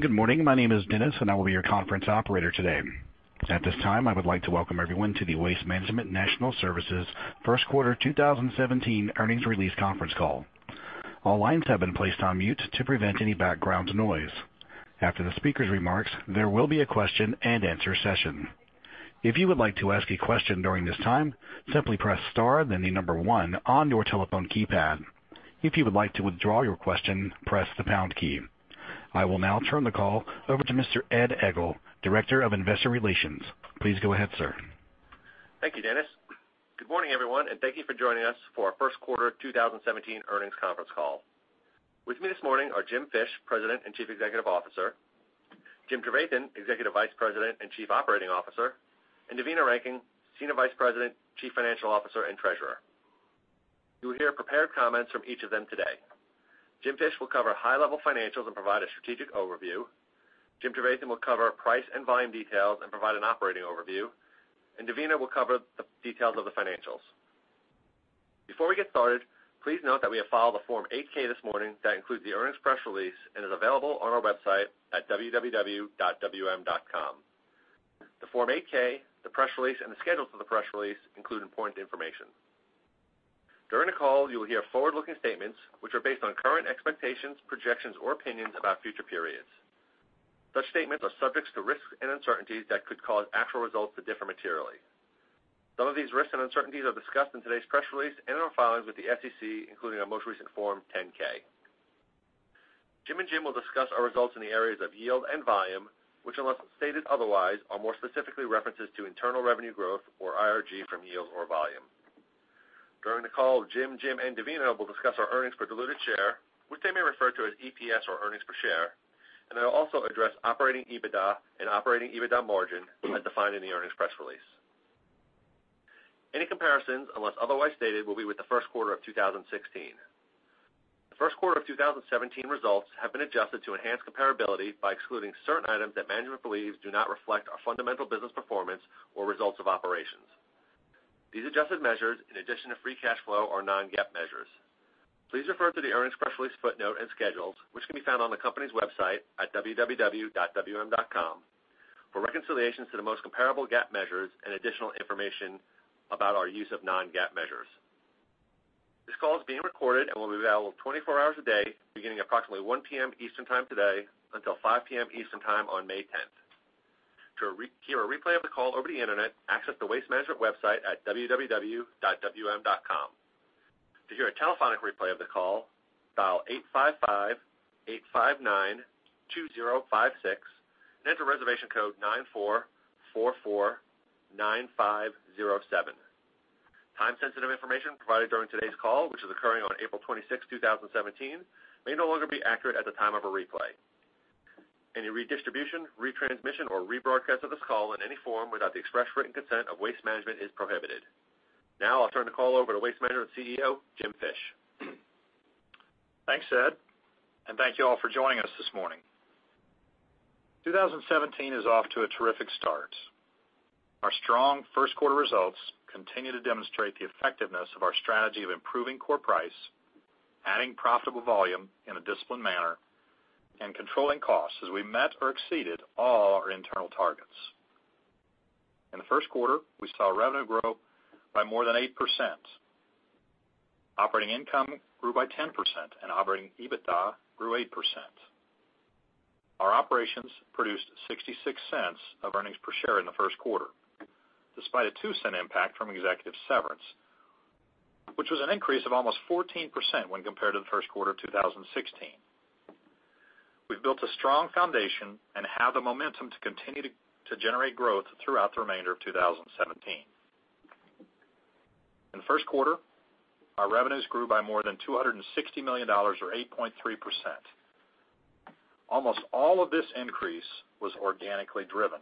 Good morning. My name is Dennis, I will be your conference operator today. At this time, I would like to welcome everyone to the Waste Management National Services first quarter 2017 earnings release conference call. All lines have been placed on mute to prevent any background noise. After the speaker's remarks, there will be a question and answer session. If you would like to ask a question during this time, simply press star then 1 on your telephone keypad. If you would like to withdraw your question, press the pound key. I will now turn the call over to Mr. Ed Egl, Director of Investor Relations. Please go ahead, sir. Thank you, Dennis. Good morning, everyone, thank you for joining us for our first quarter 2017 earnings conference call. With me this morning are Jim Fish, President and Chief Executive Officer, Jim Trevathan, Executive Vice President and Chief Operating Officer, and Devina Rankin, Senior Vice President, Chief Financial Officer, and Treasurer. You will hear prepared comments from each of them today. Jim Fish will cover high-level financials and provide a strategic overview. Jim Trevathan will cover price and volume details and provide an operating overview, Devina will cover the details of the financials. Before we get started, please note that we have filed a Form 8-K this morning that includes the earnings press release and is available on our website at www.wm.com. The Form 8-K, the press release, and the schedules for the press release include important information. During the call, you will hear forward-looking statements, which are based on current expectations, projections, or opinions about future periods. Such statements are subject to risks and uncertainties that could cause actual results to differ materially. Some of these risks and uncertainties are discussed in today's press release and in our filings with the SEC, including our most recent Form 10-K. Jim and Jim will discuss our results in the areas of yield and volume, which, unless stated otherwise, are more specifically references to internal revenue growth, or IRG, from yield or volume. During the call, Jim, and Devina will discuss our earnings per diluted share, which they may refer to as EPS or earnings per share. They'll also address operating EBITDA and operating EBITDA margin as defined in the earnings press release. Any comparisons, unless otherwise stated, will be with the first quarter of 2016. The first quarter of 2017 results have been adjusted to enhance comparability by excluding certain items that management believes do not reflect our fundamental business performance or results of operations. These adjusted measures, in addition to free cash flow, are non-GAAP measures. Please refer to the earnings press release footnote and schedules, which can be found on the company's website at www.wm.com, for reconciliations to the most comparable GAAP measures and additional information about our use of non-GAAP measures. This call is being recorded and will be available 24 hours a day, beginning approximately 1:00 P.M. Eastern Time today until 5:00 P.M. Eastern Time on May 10th. To hear a replay of the call over the internet, access the Waste Management website at www.wm.com. To hear a telephonic replay of the call, dial 855-859-2056 and enter reservation code 94449507. Time-sensitive information provided during today's call, which is occurring on April 26th, 2017, may no longer be accurate at the time of a replay. Any redistribution, retransmission, or rebroadcast of this call in any form without the express written consent of Waste Management is prohibited. Now I'll turn the call over to Waste Management CEO, Jim Fish. Thanks, Ed, and thank you all for joining us this morning. 2017 is off to a terrific start. Our strong first quarter results continue to demonstrate the effectiveness of our strategy of improving core price, adding profitable volume in a disciplined manner, and controlling costs as we met or exceeded all our internal targets. In the first quarter, we saw revenue grow by more than 8%. Operating income grew by 10%, and operating EBITDA grew 8%. Our operations produced $0.66 of earnings per share in the first quarter, despite a $0.02 impact from executive severance, which was an increase of almost 14% when compared to the first quarter of 2016. We've built a strong foundation and have the momentum to continue to generate growth throughout the remainder of 2017. In the first quarter, our revenues grew by more than $260 million, or 8.3%. Almost all of this increase was organically driven.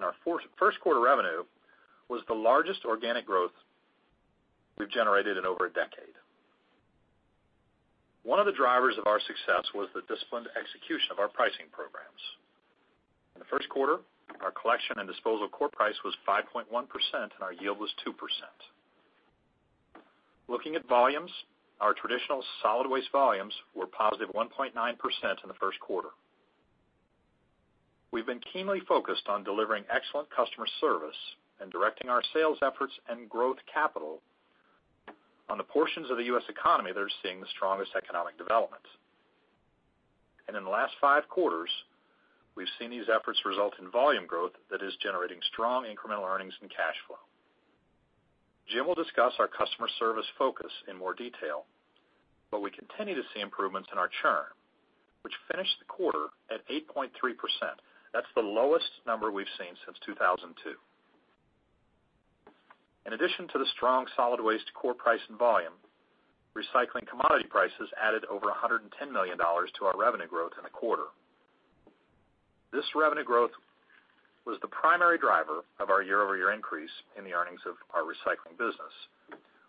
Our first quarter revenue was the largest organic growth we've generated in over a decade. One of the drivers of our success was the disciplined execution of our pricing programs. In the first quarter, our collection and disposal core price was 5.1%, and our yield was 2%. Looking at volumes, our traditional solid waste volumes were positive 1.9% in the first quarter. We've been keenly focused on delivering excellent customer service and directing our sales efforts and growth capital on the portions of the U.S. economy that are seeing the strongest economic development. In the last five quarters, we've seen these efforts result in volume growth that is generating strong incremental earnings and cash flow. Jim will discuss our customer service focus in more detail, but we continue to see improvements in our churn, which finished the quarter at 8.3%. That's the lowest number we've seen since 2002. In addition to the strong solid waste core price and volume, recycling commodity prices added over $110 million to our revenue growth in the quarter. This revenue growth was the primary driver of our year-over-year increase in the earnings of our recycling business,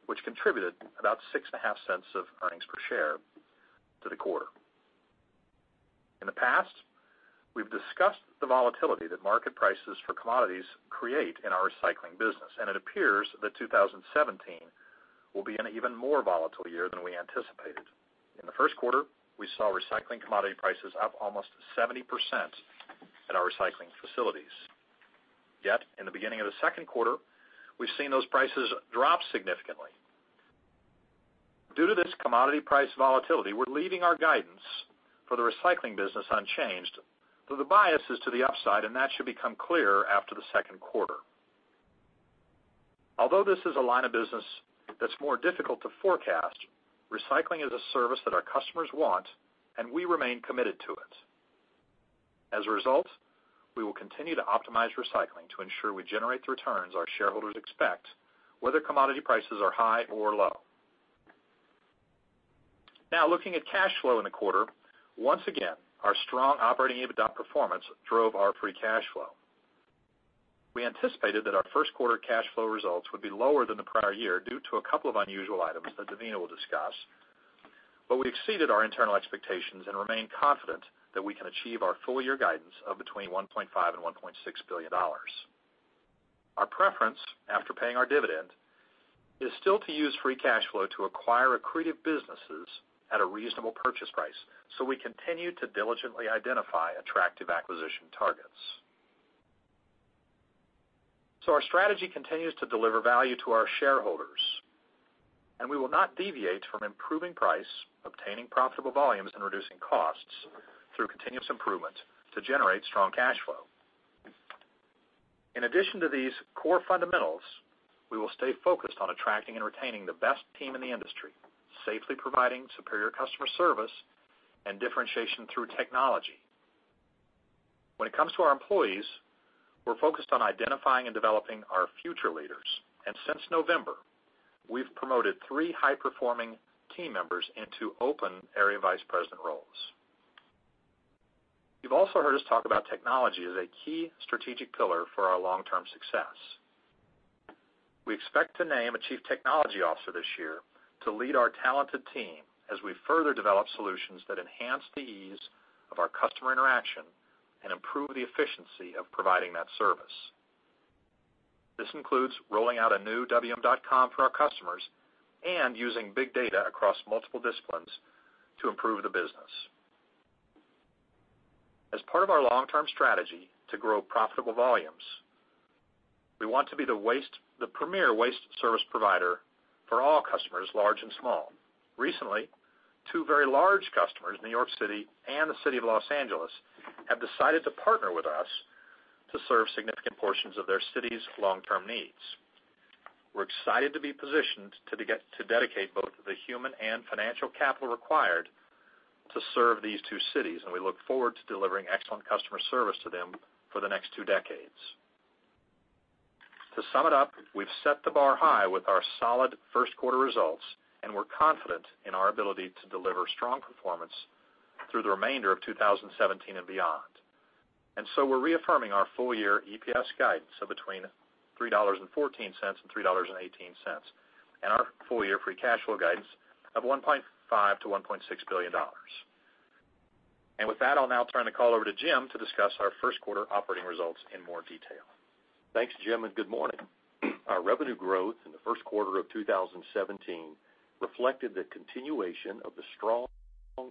which contributed about $0.065 of earnings per share to the quarter. In the past We've discussed the volatility that market prices for commodities create in our recycling business, and it appears that 2017 will be an even more volatile year than we anticipated. In the first quarter, we saw recycling commodity prices up almost 70% at our recycling facilities. Yet, in the beginning of the second quarter, we've seen those prices drop significantly. Due to this commodity price volatility, we're leaving our guidance for the recycling business unchanged, though the bias is to the upside, and that should become clearer after the second quarter. Although this is a line of business that's more difficult to forecast, recycling is a service that our customers want, and we remain committed to it. We will continue to optimize recycling to ensure we generate the returns our shareholders expect, whether commodity prices are high or low. Looking at cash flow in the quarter, once again, our strong operating EBITDA performance drove our free cash flow. We anticipated that our first quarter cash flow results would be lower than the prior year due to a couple of unusual items that Devina will discuss. We exceeded our internal expectations and remain confident that we can achieve our full year guidance of between $1.5 billion and $1.6 billion. Our preference after paying our dividend is still to use free cash flow to acquire accretive businesses at a reasonable purchase price. We continue to diligently identify attractive acquisition targets. Our strategy continues to deliver value to our shareholders, and we will not deviate from improving price, obtaining profitable volumes, and reducing costs through continuous improvement to generate strong cash flow. In addition to these core fundamentals, we will stay focused on attracting and retaining the best team in the industry, safely providing superior customer service and differentiation through technology. When it comes to our employees, we're focused on identifying and developing our future leaders. Since November, we've promoted three high-performing team members into open area vice president roles. You've also heard us talk about technology as a key strategic pillar for our long-term success. We expect to name a chief technology officer this year to lead our talented team as we further develop solutions that enhance the ease of our customer interaction and improve the efficiency of providing that service. This includes rolling out a new wm.com for our customers and using big data across multiple disciplines to improve the business. As part of our long-term strategy to grow profitable volumes, we want to be the premier waste service provider for all customers, large and small. Recently, two very large customers, New York City and the City of Los Angeles, have decided to partner with us to serve significant portions of their city's long-term needs. We're excited to be positioned to dedicate both the human and financial capital required to serve these two cities, and we look forward to delivering excellent customer service to them for the next two decades. To sum it up, we've set the bar high with our solid first quarter results, and we're confident in our ability to deliver strong performance through the remainder of 2017 and beyond. We're reaffirming our full year EPS guidance of between $3.14 and $3.18, and our full-year free cash flow guidance of $1.5 billion to $1.6 billion. With that, I'll now turn the call over to Jim to discuss our first quarter operating results in more detail. Thanks, Jim, and good morning. Our revenue growth in the first quarter of 2017 reflected the continuation of the strong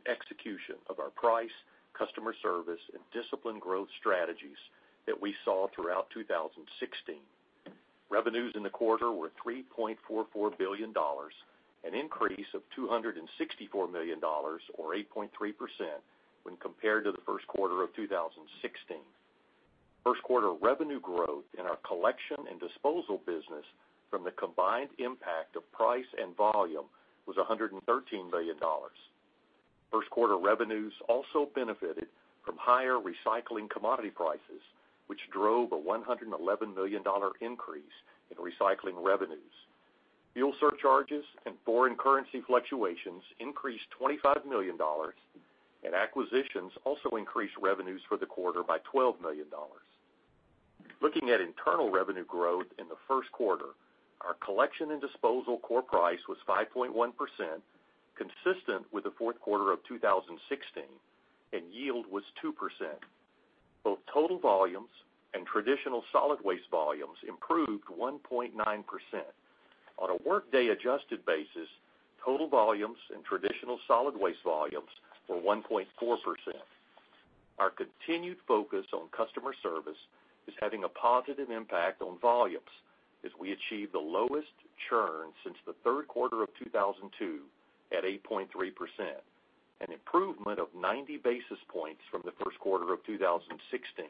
execution of our price, customer service, and discipline growth strategies that we saw throughout 2016. Revenues in the quarter were $3.44 billion, an increase of $264 million or 8.3% when compared to the first quarter of 2016. First quarter revenue growth in our collection and disposal business from the combined impact of price and volume was $113 million. First quarter revenues also benefited from higher recycling commodity prices, which drove a $111 million increase in recycling revenues. Fuel surcharges and foreign currency fluctuations increased $25 million, and acquisitions also increased revenues for the quarter by $12 million. Looking at internal revenue growth in the first quarter, our collection and disposal core price was 5.1%, consistent with the fourth quarter of 2016, and yield was 2%. Both total volumes and traditional solid waste volumes improved 1.9%. On a workday-adjusted basis, total volumes and traditional solid waste volumes were 1.4%. Our continued focus on customer service is having a positive impact on volumes as we achieve the lowest churn since the third quarter of 2002 at 8.3%, an improvement of 90 basis points from the first quarter of 2016.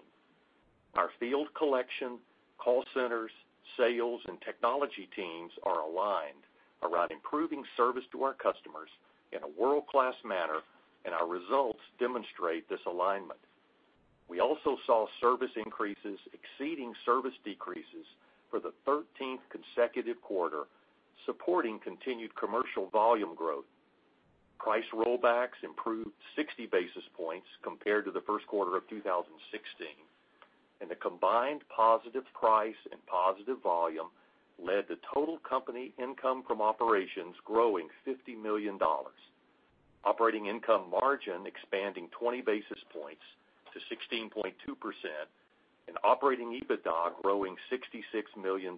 Our field collection, call centers, sales, and technology teams are aligned around improving service to our customers in a world-class manner, and our results demonstrate this alignment. We also saw service increases exceeding service decreases for the 13th consecutive quarter, supporting continued commercial volume growth. Price rollbacks improved 60 basis points compared to the first quarter of 2016. The combined positive price and positive volume led to total company income from operations growing $50 million. Operating income margin expanding 20 basis points to 16.2%, and operating EBITDA growing $66 million.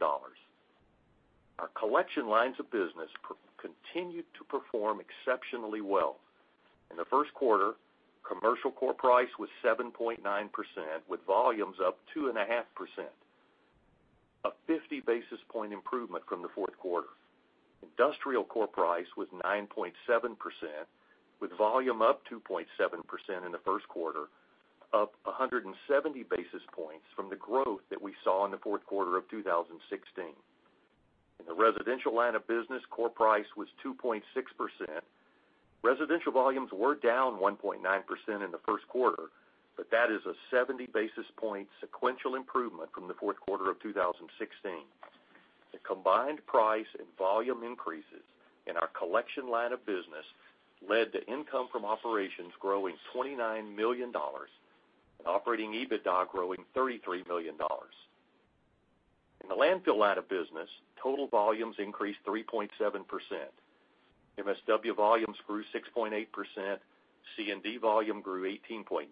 Our collection lines of business continued to perform exceptionally well. In the first quarter, commercial core price was 7.9%, with volumes up 2.5%, a 50 basis point improvement from the fourth quarter. Industrial core price was 9.7%, with volume up 2.7% in the first quarter, up 170 basis points from the growth that we saw in the fourth quarter of 2016. In the residential line of business, core price was 2.6%. Residential volumes were down 1.9% in the first quarter, but that is a 70 basis point sequential improvement from the fourth quarter of 2016. The combined price and volume increases in our collection line of business led to income from operations growing $29 million, and operating EBITDA growing $33 million. In the landfill line of business, total volumes increased 3.7%. MSW volumes grew 6.8%, C&D volume grew 18.9%,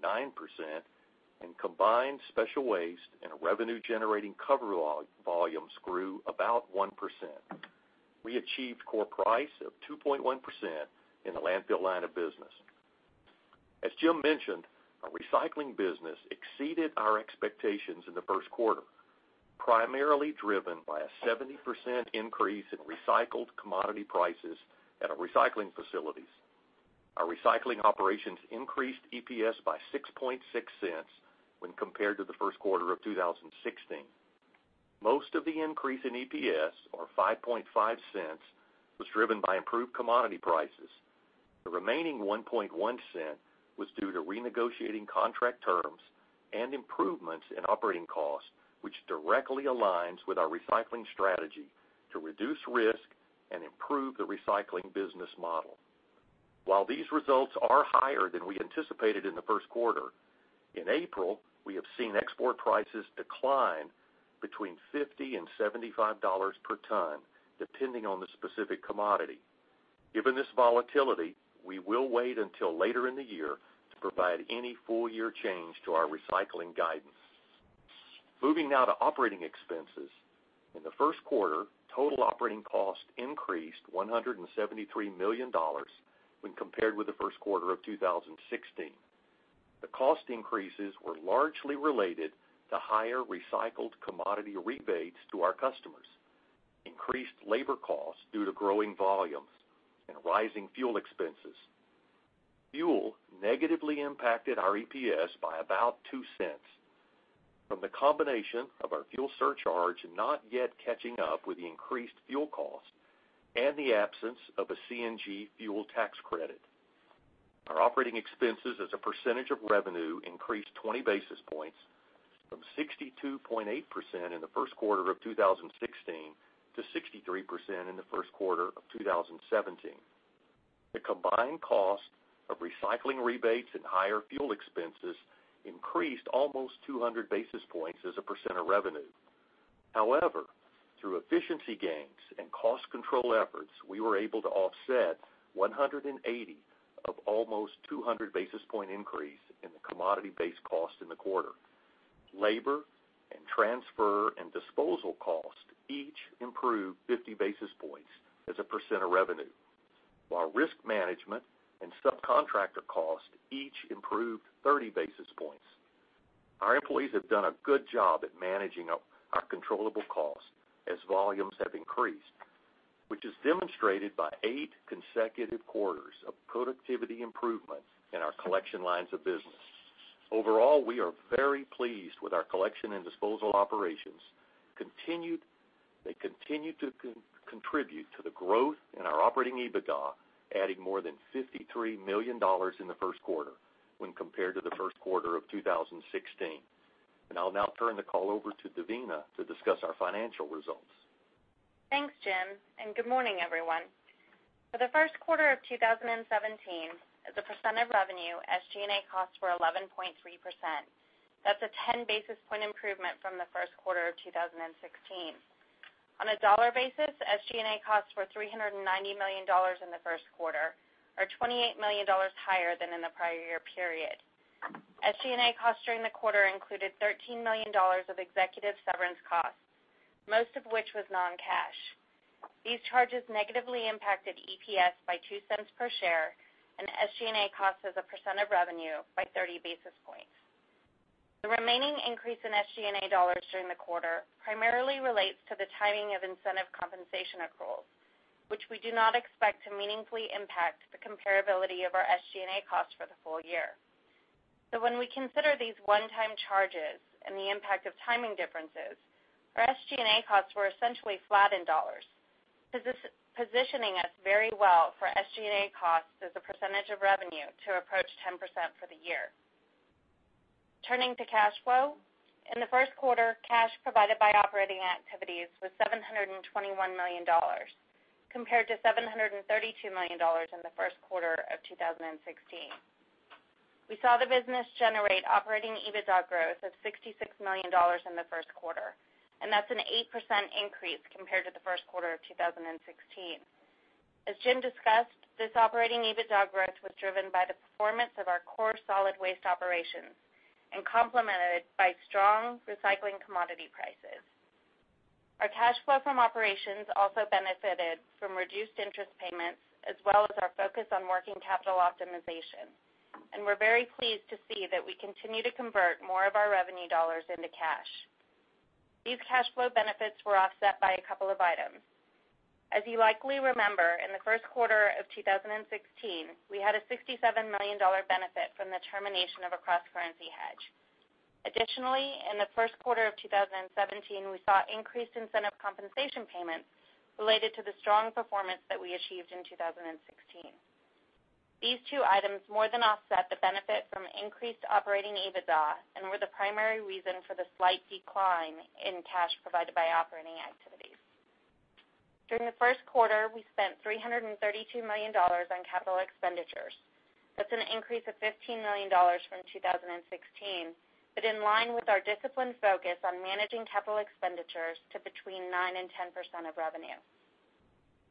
and combined special waste and revenue generating cover volumes grew about 1%. We achieved core price of 2.1% in the landfill line of business. As Jim mentioned, our recycling business exceeded our expectations in the first quarter, primarily driven by a 70% increase in recycled commodity prices at our recycling facilities. Our recycling operations increased EPS by $0.0660 when compared to the first quarter of 2016. Most of the increase in EPS, or $0.0550, was driven by improved commodity prices. The remaining $0.011 was due to renegotiating contract terms and improvements in operating costs, which directly aligns with our recycling strategy to reduce risk and improve the recycling business model. While these results are higher than we anticipated in the first quarter, in April, we have seen export prices decline between $50 and $75 per ton, depending on the specific commodity. Given this volatility, we will wait until later in the year to provide any full-year change to our recycling guidance. Moving now to operating expenses. In the first quarter, total operating cost increased $173 million when compared with the first quarter of 2016. The cost increases were largely related to higher recycled commodity rebates to our customers, increased labor costs due to growing volumes and rising fuel expenses. Fuel negatively impacted our EPS by about $0.02 from the combination of our fuel surcharge not yet catching up with the increased fuel cost and the absence of a CNG fuel tax credit. Our operating expenses as a % of revenue increased 20 basis points from 62.8% in the first quarter of 2016 to 63% in the first quarter of 2017. The combined cost of recycling rebates and higher fuel expenses increased almost 200 basis points as a % of revenue. However, through efficiency gains and cost control efforts, we were able to offset 180 of almost 200 basis point increase in the commodity base cost in the quarter. Labor and transfer and disposal cost each improved 50 basis points as a % of revenue, while risk management and subcontractor cost each improved 30 basis points. Our employees have done a good job at managing our controllable costs as volumes have increased, which is demonstrated by eight consecutive quarters of productivity improvement in our collection lines of business. Overall, we are very pleased with our collection and disposal operations. They continue to contribute to the growth in our operating EBITDA, adding more than $53 million in the first quarter when compared to the first quarter of 2016. I'll now turn the call over to Devina to discuss our financial results. Thanks, Jim, Good morning, everyone. For the first quarter of 2017, as a % of revenue, SG&A costs were 11.3%. That's a 10 basis point improvement from the first quarter of 2016. On a dollar basis, SG&A costs were $390 million in the first quarter, or $28 million higher than in the prior year period. SG&A costs during the quarter included $13 million of executive severance costs, most of which was non-cash. These charges negatively impacted EPS by $0.02 per share and SG&A costs as a % of revenue by 30 basis points. The remaining increase in SG&A dollars during the quarter primarily relates to the timing of incentive compensation accruals, which we do not expect to meaningfully impact the comparability of our SG&A costs for the full year. When we consider these one-time charges and the impact of timing differences, our SG&A costs were essentially flat in dollars, positioning us very well for SG&A costs as a percentage of revenue to approach 10% for the year. Turning to cash flow. In the first quarter, cash provided by operating activities was $721 million. Compared to $732 million in the first quarter of 2016. We saw the business generate operating EBITDA growth of $66 million in the first quarter, and that's an 8% increase compared to the first quarter of 2016. As Jim discussed, this operating EBITDA growth was driven by the performance of our core solid waste operations and complemented by strong recycling commodity prices. Our cash flow from operations also benefited from reduced interest payments, as well as our focus on working capital optimization. We're very pleased to see that we continue to convert more of our revenue dollars into cash. These cash flow benefits were offset by a couple of items. As you likely remember, in the first quarter of 2016, we had a $67 million benefit from the termination of a cross-currency hedge. Additionally, in the first quarter of 2017, we saw increased incentive compensation payments related to the strong performance that we achieved in 2016. These two items more than offset the benefit from increased operating EBITDA and were the primary reason for the slight decline in cash provided by operating activities. During the first quarter, we spent $332 million on capital expenditures. That's an increase of $15 million from 2016, in line with our disciplined focus on managing capital expenditures to between 9% and 10% of revenue.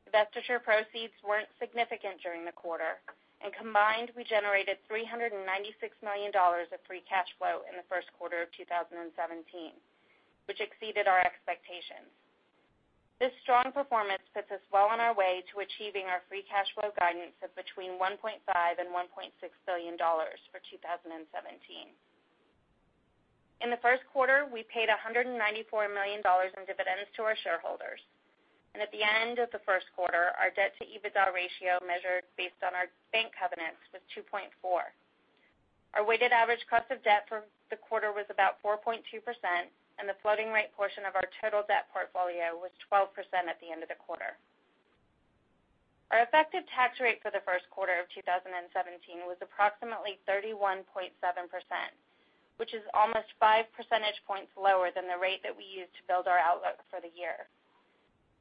Divestiture proceeds weren't significant during the quarter. Combined, we generated $396 million of free cash flow in the first quarter of 2017, which exceeded our expectations. This strong performance puts us well on our way to achieving our free cash flow guidance of between $1.5 billion and $1.6 billion for 2017. In the first quarter, we paid $194 million in dividends to our shareholders. At the end of the first quarter, our debt to EBITDA ratio measured based on our bank covenants was 2.4. Our weighted average cost of debt for the quarter was about 4.2%, and the floating rate portion of our total debt portfolio was 12% at the end of the quarter. Our effective tax rate for the first quarter of 2017 was approximately 31.7%, which is almost five percentage points lower than the rate that we used to build our outlook for the year.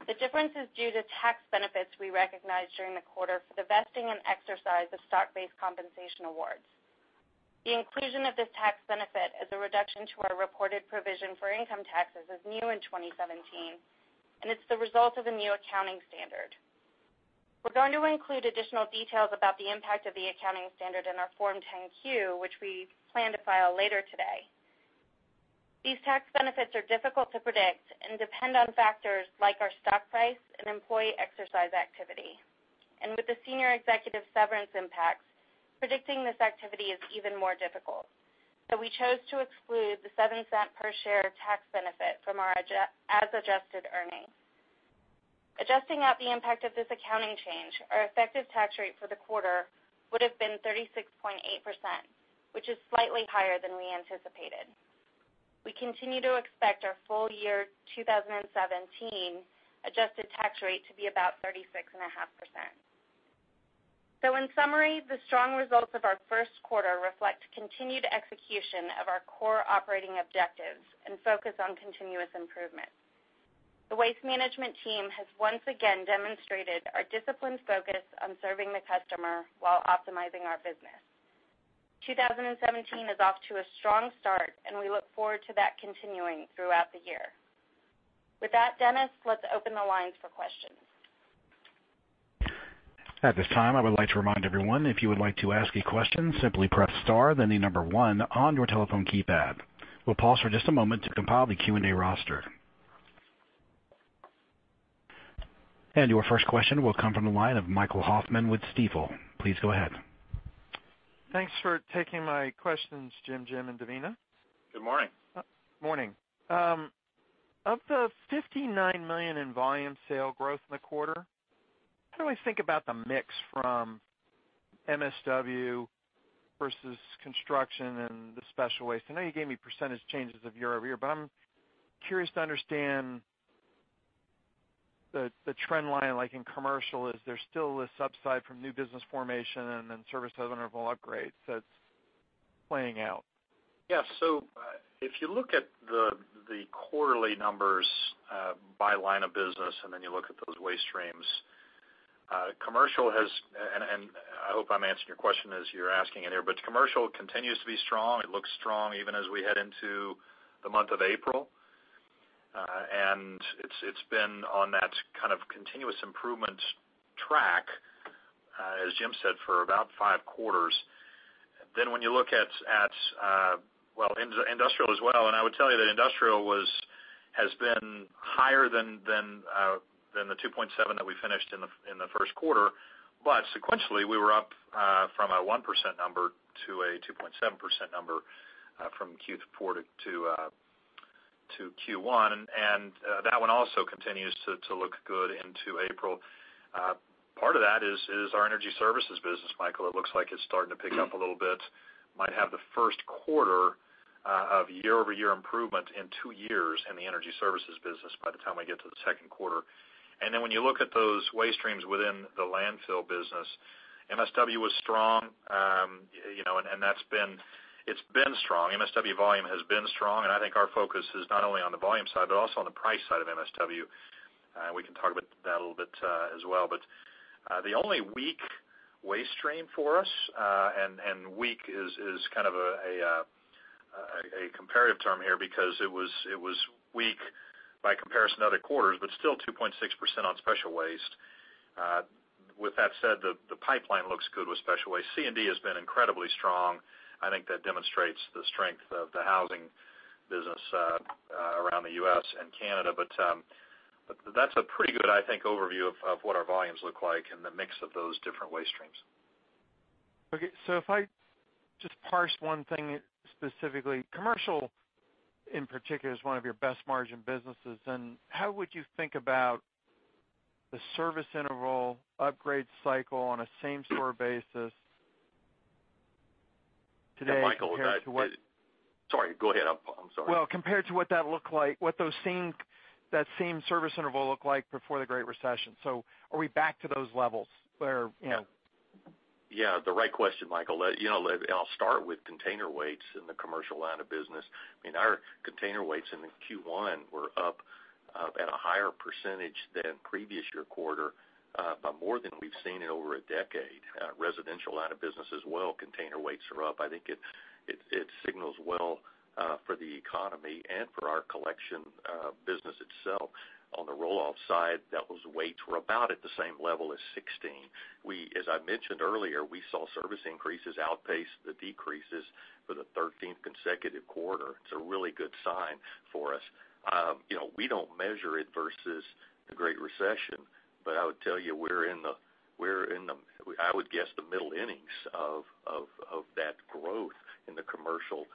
The difference is due to tax benefits we recognized during the quarter for the vesting and exercise of stock-based compensation awards. The inclusion of this tax benefit as a reduction to our reported provision for income taxes is new in 2017. It's the result of a new accounting standard. We're going to include additional details about the impact of the accounting standard in our Form 10-Q, which we plan to file later today. These tax benefits are difficult to predict and depend on factors like our stock price and employee exercise activity. With the senior executive severance impacts, predicting this activity is even more difficult. We chose to exclude the $0.07 per share tax benefit from our as adjusted earnings. Adjusting out the impact of this accounting change, our effective tax rate for the quarter would have been 36.8%, which is slightly higher than we anticipated. We continue to expect our full year 2017 adjusted tax rate to be about 36.5%. In summary, the strong results of our first quarter reflect continued execution of our core operating objectives and focus on continuous improvement. The Waste Management team has once again demonstrated our disciplined focus on serving the customer while optimizing our business. 2017 is off to a strong start, and we look forward to that continuing throughout the year. With that, Dennis, let's open the lines for questions. At this time, I would like to remind everyone, if you would like to ask a question, simply press star, then the number 1 on your telephone keypad. We'll pause for just a moment to compile the Q&A roster. Your first question will come from the line of Michael Hoffman with Stifel. Please go ahead. Thanks for taking my questions, Jim, and Devina. Good morning. Morning. Of the $59 million in volume sale growth in the quarter, how do I think about the mix from MSW versus construction and the special waste? I know you gave me percentage changes of year-over-year, but I'm curious to understand the trend line, like in commercial, is there still an upside from new business formation and then service level upgrades that's playing out? Yeah. If you look at the quarterly numbers by line of business, then you look at those waste streams, and I hope I'm answering your question as you're asking it here, commercial continues to be strong. It looks strong even as we head into the month of April. It's been on that kind of continuous improvement track, as Jim said, for about 5 quarters. When you look at industrial as well, I would tell you that industrial has been higher than the 2.7 that we finished in the first quarter, but sequentially, we were up from a 1% number to a 2.7% number from Q4 to Q1. That one also continues to look good into April. Part of that is our energy services business, Michael. It looks like it's starting to pick up a little bit. Might have the first quarter of year-over-year improvement in 2 years in the energy services business by the time we get to the second quarter. When you look at those waste streams within the landfill business MSW was strong, it's been strong. MSW volume has been strong, I think our focus is not only on the volume side, but also on the price side of MSW. We can talk about that a little bit as well. The only weak waste stream for us, and weak is kind of a comparative term here because it was weak by comparison to other quarters, but still 2.6% on special waste. With that said, the pipeline looks good with special waste. C&D has been incredibly strong. I think that demonstrates the strength of the housing business around the U.S. and Canada. That's a pretty good, I think, overview of what our volumes look like and the mix of those different waste streams. Okay. If I just parse one thing specifically, commercial in particular is one of your best margin businesses. How would you think about the service interval upgrade cycle on a same-store basis today compared to what- Sorry, go ahead. I'm sorry. Well, compared to what that same service interval looked like before the Great Recession. Are we back to those levels? Yeah. The right question, Michael. I'll start with container weights in the commercial line of business. Our container weights into Q1 were up at a higher percentage than previous year quarter by more than we've seen in over a decade. Residential line of business as well, container weights are up. I think it signals well for the economy and for our collection business itself. On the roll-off side, those weights were about at the same level as 2016. As I mentioned earlier, we saw service increases outpace the decreases for the 13th consecutive quarter. It's a really good sign for us. We don't measure it versus the Great Recession, but I would tell you we're in the, I would guess, the middle innings of that growth in the commercial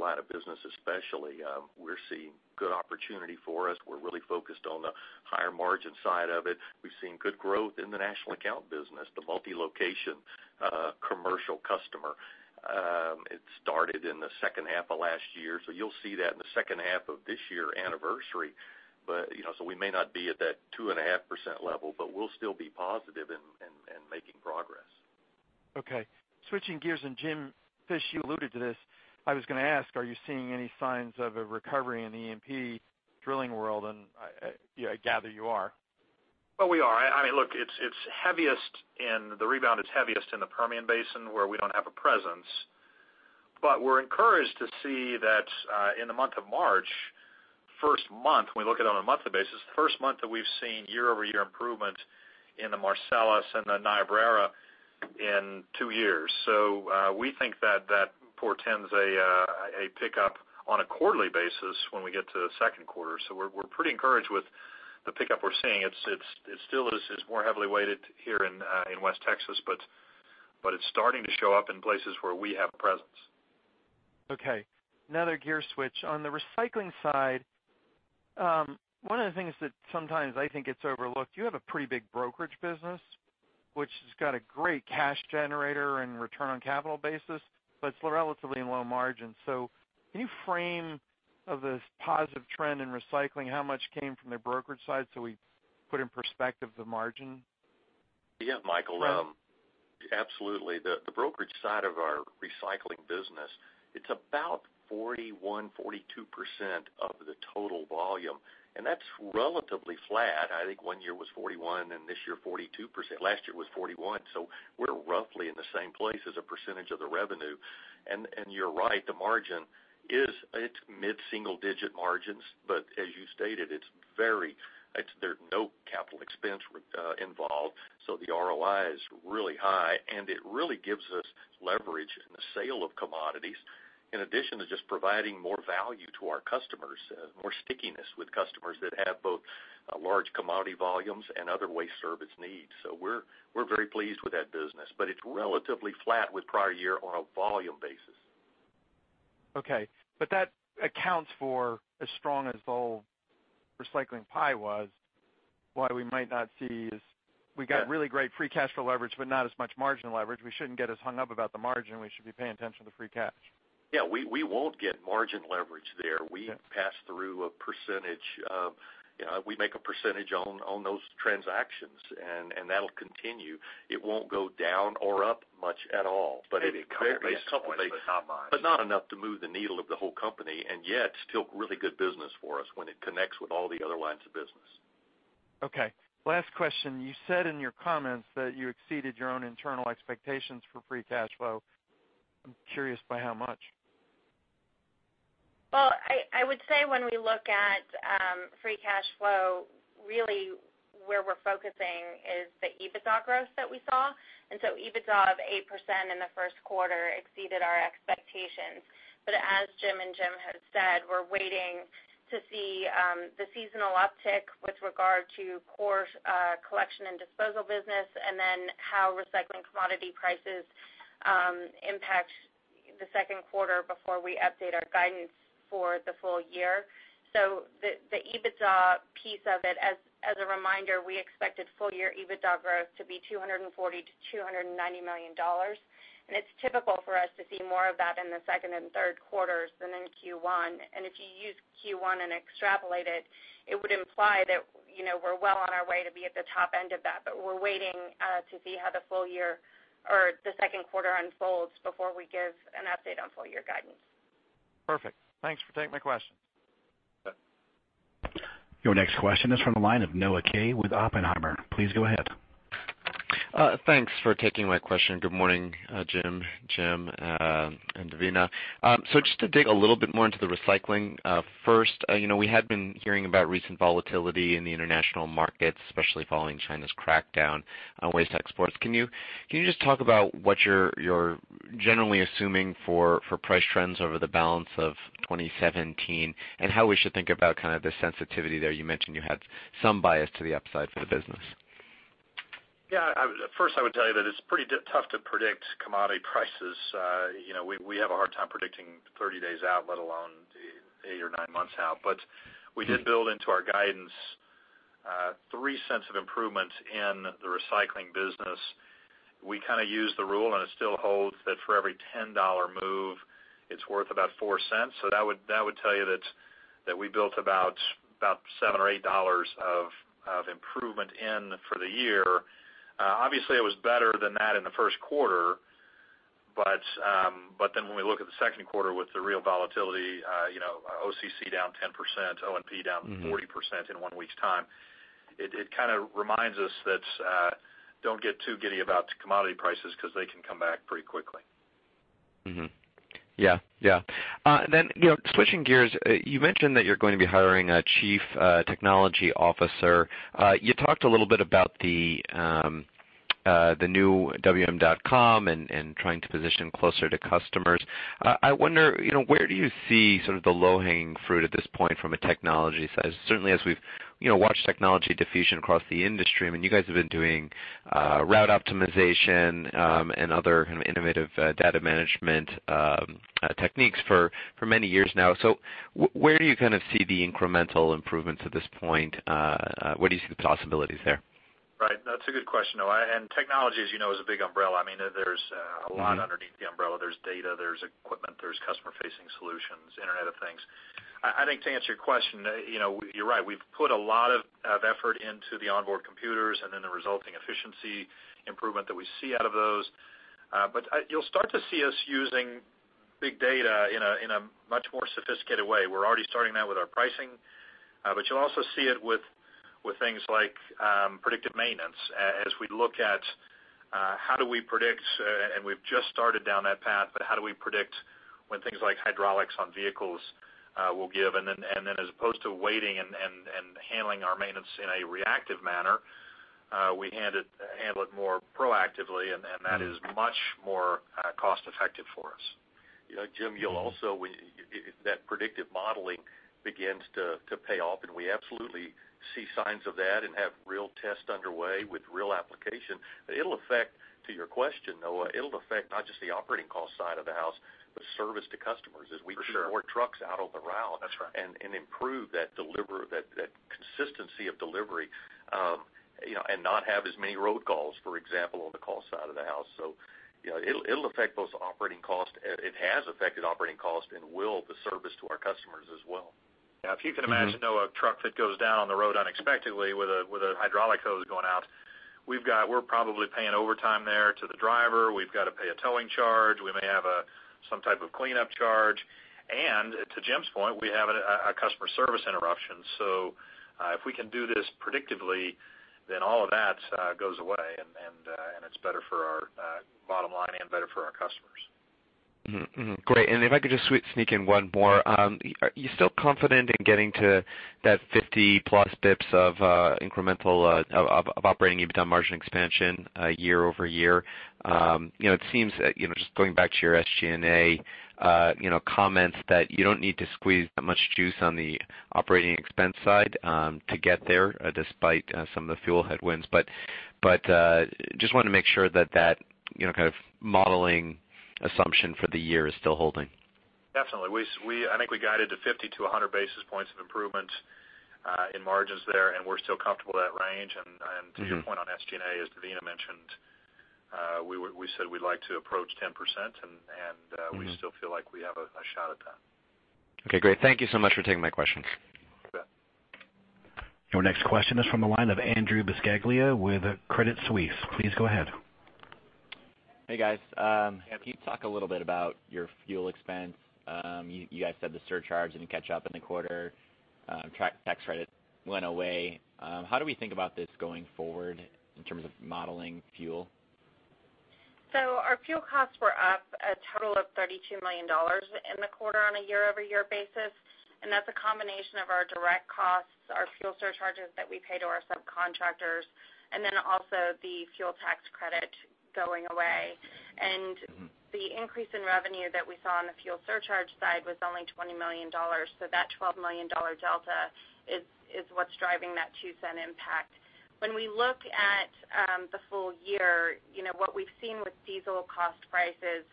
line of business especially. We're seeing good opportunity for us. We're really focused on the higher margin side of it. We've seen good growth in the national account business, the multi-location commercial customer. It started in the second half of last year, you'll see that in the second half of this year anniversary. We may not be at that 2.5% level, but we'll still be positive and making progress. Okay. Switching gears, Jim Fish, you alluded to this. I was going to ask, are you seeing any signs of a recovery in the E&P drilling world, and I gather you are. Well, we are. Look, the rebound is heaviest in the Permian Basin where we don't have a presence. We're encouraged to see that in the month of March, first month, when we look at it on a monthly basis, the first month that we've seen year-over-year improvement in the Marcellus and the Niobrara in two years. We think that that portends a pickup on a quarterly basis when we get to the second quarter. We're pretty encouraged with the pickup we're seeing. It still is more heavily weighted here in West Texas, but it's starting to show up in places where we have a presence. Okay. Another gear switch. On the recycling side, one of the things that sometimes I think gets overlooked, you have a pretty big brokerage business, which has got a great cash generator and return on capital basis, but it's relatively in low margin. Can you frame of this positive trend in recycling, how much came from the brokerage side so we put in perspective the margin? Yeah, Michael. Absolutely. The brokerage side of our recycling business, it's about 41%-42% of the total volume, and that's relatively flat. I think one year was 41% and this year 42%. Last year was 41%, so we're roughly in the same place as a percentage of the revenue. You're right, the margin is mid-single digit margins. As you stated, there's no capital expense involved, so the ROI is really high, and it really gives us leverage in the sale of commodities, in addition to just providing more value to our customers, more stickiness with customers that have both large commodity volumes and other waste service needs. We're very pleased with that business, but it's relatively flat with prior year on a volume basis. Okay. That accounts for as strong as the whole recycling pie was, why we might not see is we got really great free cash flow leverage, but not as much marginal leverage. We shouldn't get as hung up about the margin. We should be paying attention to free cash. Yeah, we won't get margin leverage there. We make a percentage on those transactions, and that'll continue. It won't go down or up much at all. Not enough to move the needle of the whole company, and yet still really good business for us when it connects with all the other lines of business. Okay. Last question. You said in your comments that you exceeded your own internal expectations for free cash flow. I'm curious by how much. I would say when we look at free cash flow, really where we're focusing is the EBITDA growth that we saw. EBITDA of 8% in the first quarter exceeded our expectations. As Jim and Jim have said, we're waiting to see the seasonal uptick with regard to core collection and disposal business, and then how recycling commodity prices impact the second quarter before we update our guidance for the full year. The EBITDA piece of it, as a reminder, we expected full year EBITDA growth to be $240 million-$290 million. It's typical for us to see more of that in the second and third quarters than in Q1. If you use Q1 and extrapolate it would imply that we're well on our way to be at the top end of that. We're waiting to see how the second quarter unfolds before we give an update on full year guidance. Perfect. Thanks for taking my question. Your next question is from the line of Noah Kaye with Oppenheimer. Please go ahead. Thanks for taking my question. Good morning, Jim, and Devina. Just to dig a little bit more into the recycling. First, we had been hearing about recent volatility in the international markets, especially following China's crackdown on waste exports. Can you just talk about what you're generally assuming for price trends over the balance of 2017, and how we should think about the sensitivity there? You mentioned you had some bias to the upside for the business. First, I would tell you that it's pretty tough to predict commodity prices. We have a hard time predicting 30 days out, let alone eight or nine months out. We did build into our guidance $0.03 of improvement in the recycling business. We use the rule, and it still holds, that for every $10 move, it's worth about $0.04. That would tell you that we built about $7 or $8 of improvement in for the year. Obviously, it was better than that in the first quarter. When we look at the second quarter with the real volatility, OCC down 10%, ONP down 40% in one week's time. It reminds us that don't get too giddy about commodity prices because they can come back pretty quickly. Switching gears, you mentioned that you're going to be hiring a Chief Technology Officer. You talked a little bit about the new wm.com and trying to position closer to customers. I wonder, where do you see sort of the low-hanging fruit at this point from a technology side? Certainly, as we've watched technology diffusion across the industry, you guys have been doing route optimization and other kind of innovative data management techniques for many years now. Where do you kind of see the incremental improvements at this point? Where do you see the possibilities there? Right. That's a good question, Noah. Technology, as you know, is a big umbrella. There's a lot underneath the umbrella. There's data, there's equipment, there's customer-facing solutions, Internet of Things. I think to answer your question, you're right. We've put a lot of effort into the onboard computers and the resulting efficiency improvement that we see out of those. You'll start to see us using big data in a much more sophisticated way. We're already starting that with our pricing. You'll also see it with things like predictive maintenance, as we look at how do we predict, and we've just started down that path, but how do we predict when things like hydraulics on vehicles will give. As opposed to waiting and handling our maintenance in a reactive manner, we handle it more proactively, and that is much more cost effective for us. Jim, that predictive modeling begins to pay off. We absolutely see signs of that and have real tests underway with real application. To your question, Noah, it'll affect not just the operating cost side of the house, but service to customers as we- For sure put more trucks out on the route- That's right Improve that consistency of delivery, and not have as many road calls, for example, on the cost side of the house. It'll affect those operating costs. It has affected operating costs and will the service to our customers as well. Yeah. If you can imagine, Noah, a truck that goes down on the road unexpectedly with a hydraulic hose going out, we're probably paying overtime there to the driver. We've got to pay a towing charge. We may have some type of cleanup charge. To Jim's point, we have a customer service interruption. If we can do this predictively, all of that goes away, and it's better for our bottom line and better for our customers. Great. If I could just sneak in one more. Are you still confident in getting to that 50-plus basis points of incremental of operating EBITDA margin expansion year-over-year? It seems that, just going back to your SG&A comments, that you don't need to squeeze that much juice on the operating expense side to get there, despite some of the fuel headwinds. Just wanted to make sure that that kind of modeling assumption for the year is still holding. Definitely. I think we guided to 50 to 100 basis points of improvement in margins there, and we're still comfortable with that range. To your point on SG&A, as Devina mentioned, we said we'd like to approach 10%, and we still feel like we have a shot at that. Okay, great. Thank you so much for taking my questions. You bet. Your next question is from the line of Andrew Bisceglia with Credit Suisse. Please go ahead. Hey, guys. Yeah. Can you talk a little bit about your fuel expense? You guys said the surcharge didn't catch up in the quarter. Tax credit went away. How do we think about this going forward in terms of modeling fuel? Our fuel costs were up a total of $32 million in the quarter on a year-over-year basis, and that's a combination of our direct costs, our fuel surcharges that we pay to our subcontractors, and then also the fuel tax credit going away. The increase in revenue that we saw on the fuel surcharge side was only $20 million, so that $12 million delta is what's driving that $0.02 impact. When we look at the full year, what we've seen with diesel cost prices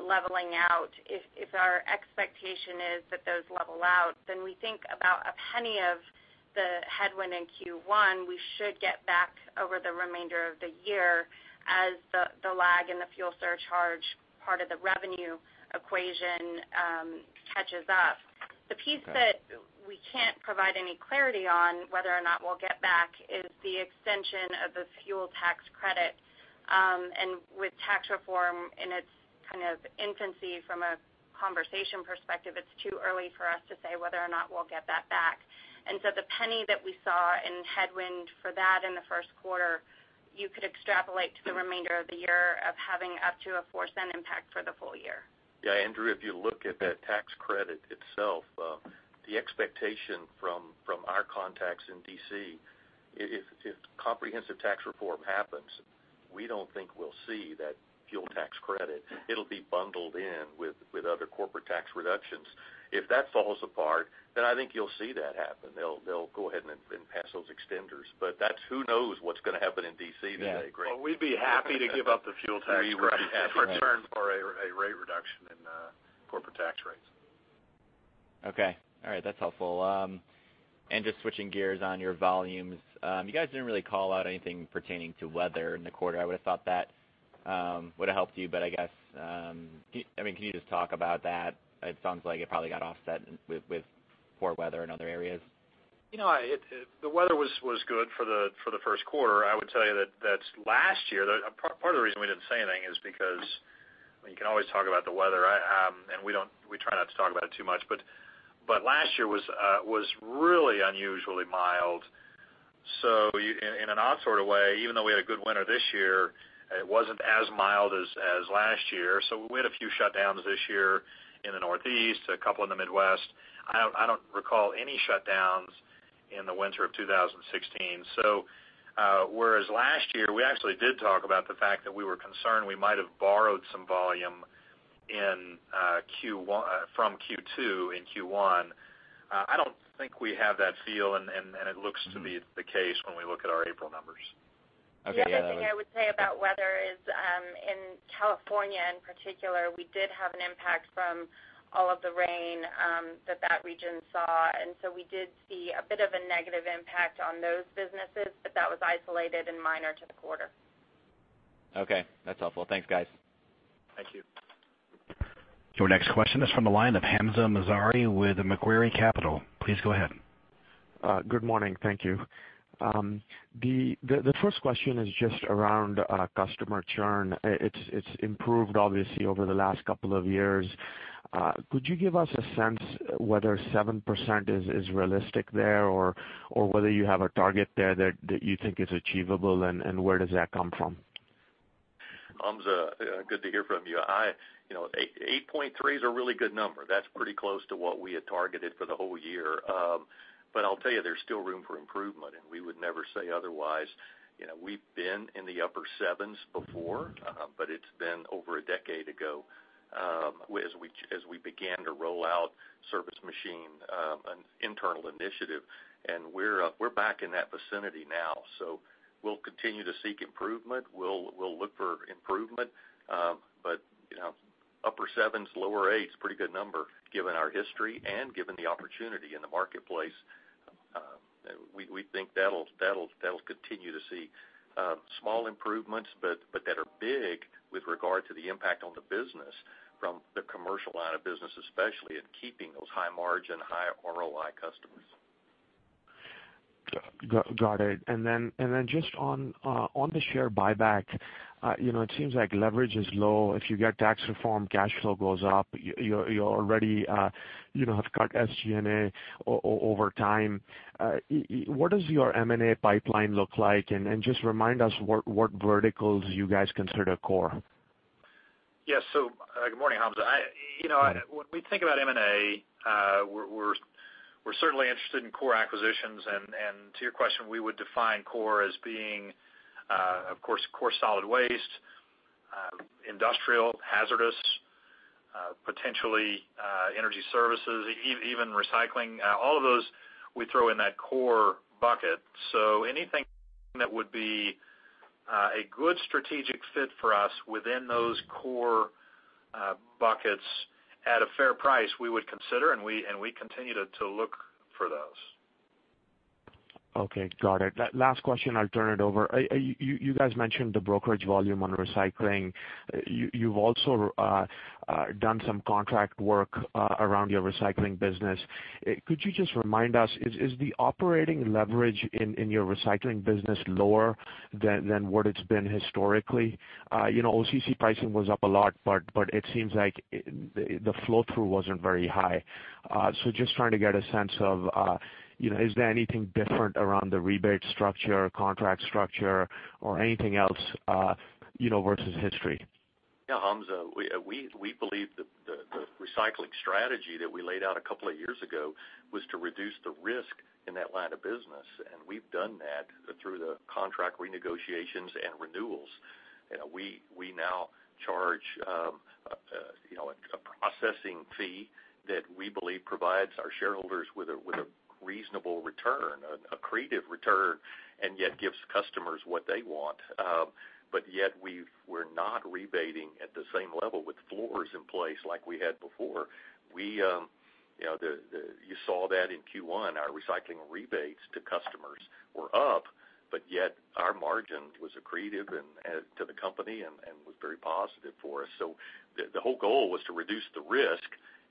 leveling out, if our expectation is that those level out, then we think about $0.01 of the headwind in Q1 we should get back over the remainder of the year as the lag in the fuel surcharge part of the revenue equation catches up. The piece that we can't provide any clarity on whether or not we'll get back is the extension of the fuel tax credit. With tax reform in its infancy from a conversation perspective, it's too early for us to say whether or not we'll get that back. So the $0.01 that we saw in headwind for that in the first quarter, you could extrapolate to the remainder of the year of having up to a $0.04 impact for the full year. Yeah, Andrew, if you look at that tax credit itself, the expectation from our contacts in D.C., if comprehensive tax reform happens, we don't think we'll see that fuel tax credit. It'll be bundled in with other corporate tax reductions. If that falls apart, then I think you'll see that happen. They'll go ahead and pass those extenders, but who knows what's going to happen in D.C. today, Andrew? Well, we'd be happy to give up the fuel tax credit in return for a rate reduction in corporate tax rates. Okay. All right. That's helpful. Just switching gears on your volumes. You guys didn't really call out anything pertaining to weather in the quarter. I would've thought that would've helped you. Can you just talk about that? It sounds like it probably got offset with poor weather in other areas. The weather was good for the first quarter. I would tell you that last year, part of the reason we didn't say anything is because, you can always talk about the weather, and we try not to talk about it too much, last year was really unusually mild. In an odd sort of way, even though we had a good winter this year, it wasn't as mild as last year. We had a few shutdowns this year in the Northeast, a couple in the Midwest. I don't recall any shutdowns in the winter of 2016. Whereas last year, we actually did talk about the fact that we were concerned we might have borrowed some volume from Q2 in Q1. I don't think we have that feel, and it looks to be the case when we look at our April numbers. Okay. The other thing I would say about weather is, in California in particular, we did have an impact from all of the rain that that region saw, we did see a bit of a negative impact on those businesses, that was isolated and minor to the quarter. Okay, that's helpful. Thanks, guys. Thank you. Your next question is from the line of Hamzah Mazari with Macquarie Capital. Please go ahead. Good morning. Thank you. The first question is just around customer churn. It's improved, obviously, over the last couple of years. Could you give us a sense whether 7% is realistic there or whether you have a target there that you think is achievable, and where does that come from? Hamzah, good to hear from you. 8.3 is a really good number. That's pretty close to what we had targeted for the whole year. I'll tell you, there's still room for improvement, and we would never say otherwise. We've been in the upper sevens before, but it's been over a decade ago, as we began to roll out Service Machine, an internal initiative. We're back in that vicinity now. We'll continue to seek improvement. We'll look for improvement. Upper sevens, lower eights, pretty good number given our history and given the opportunity in the marketplace. We think that'll continue to see small improvements, but that are big with regard to the impact on the business from the commercial line of business, especially in keeping those high margin, high ROI customers. Got it. Just on the share buyback. It seems like leverage is low. If you get tax reform, cash flow goes up. You already have cut SG&A over time. What does your M&A pipeline look like? Just remind us what verticals you guys consider core. Yes. Good morning, Hamzah. When we think about M&A, we're certainly interested in core acquisitions. To your question, we would define core as being, of course, core solid waste, industrial hazardous, potentially energy services, even recycling. All of those we throw in that core bucket. Anything that would be a good strategic fit for us within those core buckets at a fair price, we would consider, and we continue to look for those. Okay, got it. Last question, I'll turn it over. You guys mentioned the brokerage volume on recycling. You've also done some contract work around your recycling business. Could you just remind us, is the operating leverage in your recycling business lower than what it's been historically? OCC pricing was up a lot, it seems like the flow-through wasn't very high. Just trying to get a sense of, is there anything different around the rebate structure, contract structure, or anything else versus history? Yeah, Hamzah. We believe that the recycling strategy that we laid out a couple of years ago was to reduce the risk in that line of business, and we've done that through the contract renegotiations and renewals. We now charge a processing fee that we believe provides our shareholders with a reasonable return, a creative return, and yet gives customers what they want. Yet we're not rebating at the same level with floors in place like we had before. You saw that in Q1, our recycling rebates to customers were up. Yet our margin was accretive to the company and was very positive for us. The whole goal was to reduce the risk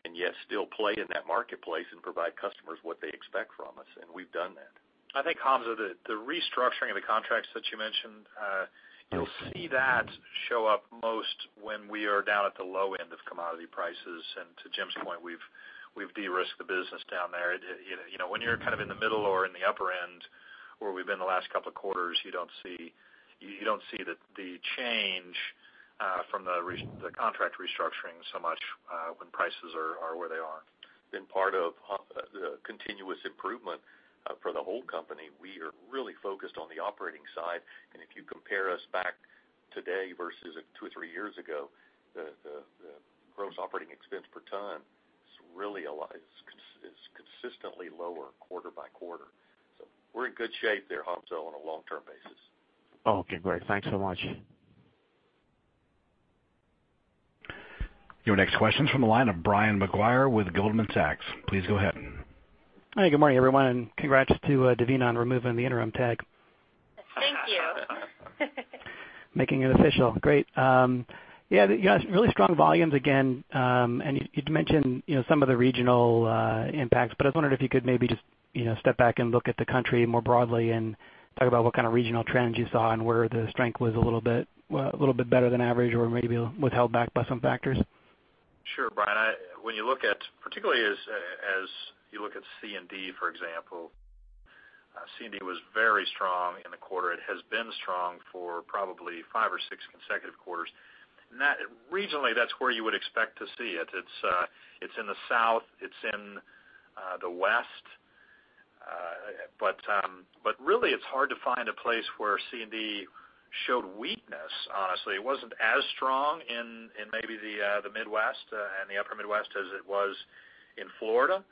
and yet still play in that marketplace and provide customers what they expect from us, and we've done that. I think, Hamzah, the restructuring of the contracts that you mentioned, you'll see that show up most when we are down at the low end of commodity prices. To Jim's point, we've de-risked the business down there. When you're kind of in the middle or in the upper end where we've been the last couple of quarters, you don't see the change from the contract restructuring so much when prices are where they are. Part of the continuous improvement for the whole company, we are really focused on the operating side. If you compare us back today versus two or three years ago, the gross operating expense per ton is consistently lower quarter by quarter. We're in good shape there, Hamzah, on a long-term basis. Okay, great. Thanks so much. Your next question's from the line of Brian Maguire with Goldman Sachs. Please go ahead. Hi, good morning, everyone, and congrats to Devina on removing the interim tag. Thank you. Making it official. Great. Yeah, you guys, really strong volumes again. You mentioned some of the regional impacts, but I was wondering if you could maybe just step back and look at the country more broadly and talk about what kind of regional trends you saw and where the strength was a little bit better than average or maybe was held back by some factors. Sure, Brian. Particularly as you look at C&D, for example, C&D was very strong in the quarter. It has been strong for probably five or six consecutive quarters. Regionally, that's where you would expect to see it. It's in the South, it's in the West. Really, it's hard to find a place where C&D showed weakness, honestly. It wasn't as strong in maybe the Midwest and the upper Midwest as it was in Florida.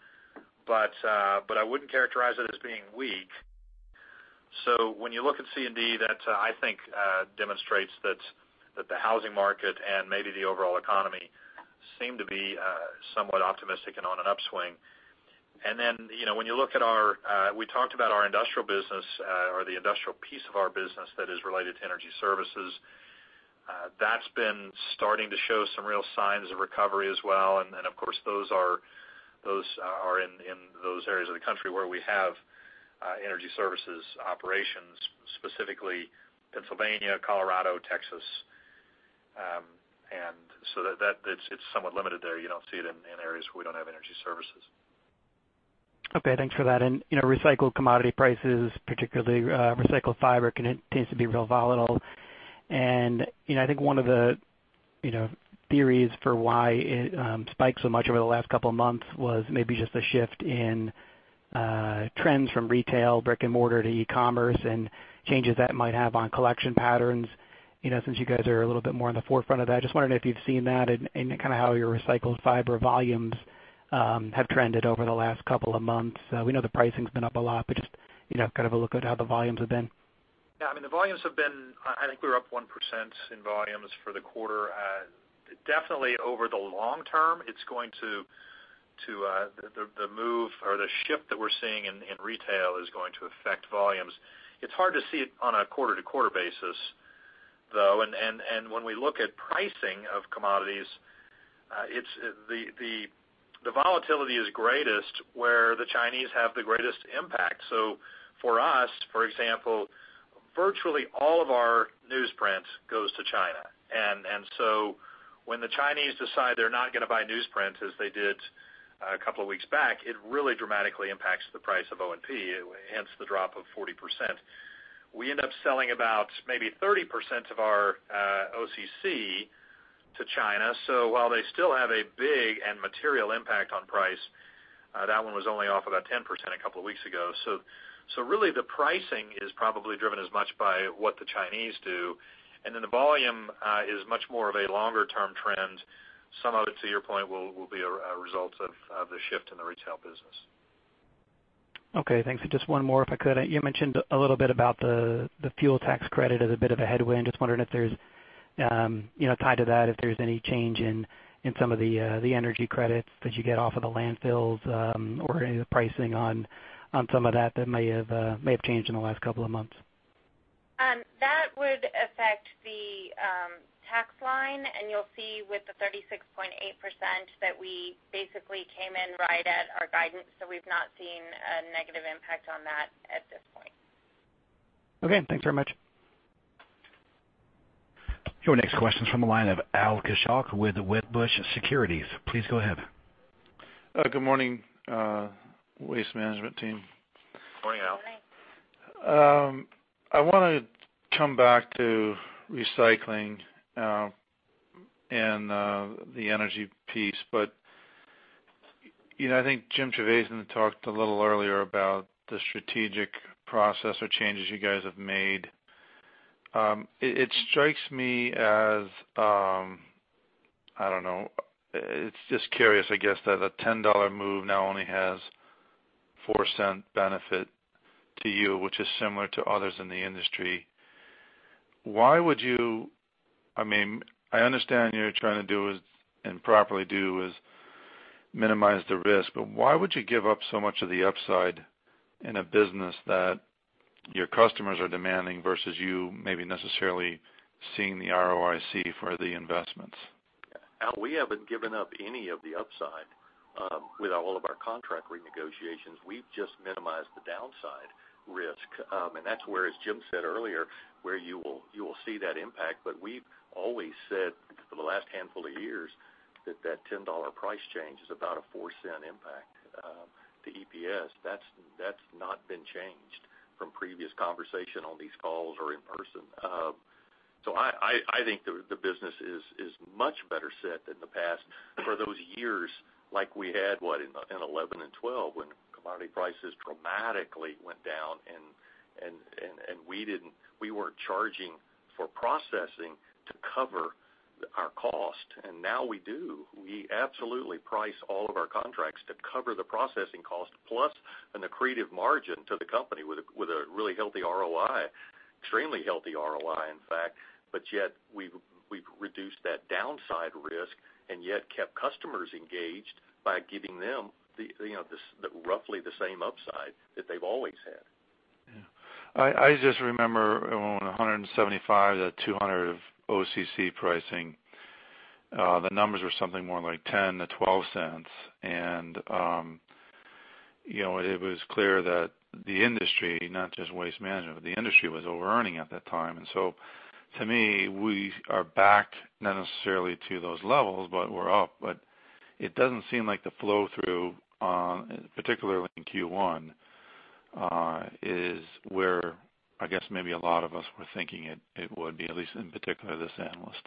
I wouldn't characterize it as being weak. When you look at C&D, that, I think, demonstrates that the housing market and maybe the overall economy seem to be somewhat optimistic and on an upswing. We talked about our industrial business, or the industrial piece of our business that is related to energy services. That's been starting to show some real signs of recovery as well. Of course, those are in those areas of the country where we have energy services operations, specifically Pennsylvania, Colorado, Texas. It's somewhat limited there. You don't see it in areas where we don't have energy services. Okay, thanks for that. Recycled commodity prices, particularly recycled fiber, tends to be real volatile. I think one of the theories for why it spiked so much over the last couple of months was maybe just a shift in trends from retail brick and mortar to e-commerce and changes that might have on collection patterns. Since you guys are a little bit more on the forefront of that, just wondering if you've seen that in how your recycled fiber volumes have trended over the last couple of months. We know the pricing's been up a lot, but just kind of a look at how the volumes have been. Yeah, the volumes have been, I think we're up 1% in volumes for the quarter. Definitely over the long term, the move or the shift that we're seeing in retail is going to affect volumes. It's hard to see it on a quarter-to-quarter basis, though. When we look at pricing of commodities, the volatility is greatest where the Chinese have the greatest impact. For us, for example, virtually all of our newsprint goes to China. When the Chinese decide they're not going to buy newsprint as they did a couple of weeks back, it really dramatically impacts the price of O&P, hence the drop of 40%. We end up selling about maybe 30% of our OCC to China. While they still have a big and material impact on price, that one was only off about 10% a couple of weeks ago. Really the pricing is probably driven as much by what the Chinese do. The volume is much more of a longer-term trend. Some of it, to your point, will be a result of the shift in the retail business. Okay, thanks. Just one more, if I could. You mentioned a little bit about the fuel tax credit as a bit of a headwind. Just wondering if there's, tied to that, if there's any change in some of the energy credits that you get off of the landfills, or any of the pricing on some of that may have changed in the last couple of months. That would affect the tax line, you'll see with the 36.8% that we basically came in right at our guidance. We've not seen a negative impact on that at this point. Okay, thanks very much. Your next question's from the line of Al Kaschalk with Wedbush Securities. Please go ahead. Good morning, Waste Management team. Morning, Al. Morning. I want to come back to recycling and the energy piece, but I think Jim Trevathan talked a little earlier about the strategic process or changes you guys have made. It strikes me as, I don't know, it's just curious, I guess, that a $10 move now only has $0.04 benefit to you, which is similar to others in the industry. Why would you I understand you're trying to do, and properly do, is minimize the risk, but why would you give up so much of the upside in a business that your customers are demanding versus you maybe necessarily seeing the ROIC for the investments? Al, we haven't given up any of the upside with all of our contract renegotiations. We've just minimized the downside risk. That's where, as Jim said earlier, where you will see that impact. We've always said, for the last handful of years, that that $10 price change is about a $0.04 impact to EPS. That's not been changed from previous conversation on these calls or in person. I think the business is much better set than the past for those years like we had, what, in 2011 and 2012, when commodity prices dramatically went down, and we weren't charging for processing to cover our cost. Now we do. We absolutely price all of our contracts to cover the processing cost, plus an accretive margin to the company with a really healthy ROI, extremely healthy ROI, in fact. Yet we've reduced that downside risk and yet kept customers engaged by giving them roughly the same upside that they've always had. Yeah. I just remember on 175-200 of OCC pricing, the numbers were something more like $0.10-$0.12. It was clear that the industry, not just Waste Management, but the industry was over-earning at that time. To me, we are back, not necessarily to those levels, but we're up. It doesn't seem like the flow-through, particularly in Q1, is where I guess maybe a lot of us were thinking it would be, at least in particular, this analyst.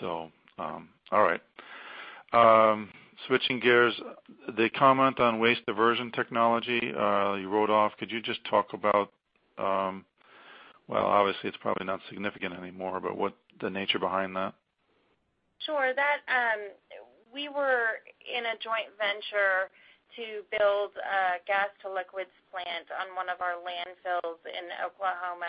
All right. Switching gears, the comment on waste diversion technology, you wrote off. Could you just talk about, well, obviously, it's probably not significant anymore, but what the nature behind that? Sure. We were in a joint venture to build a gas to liquids plant on one of our landfills in Oklahoma.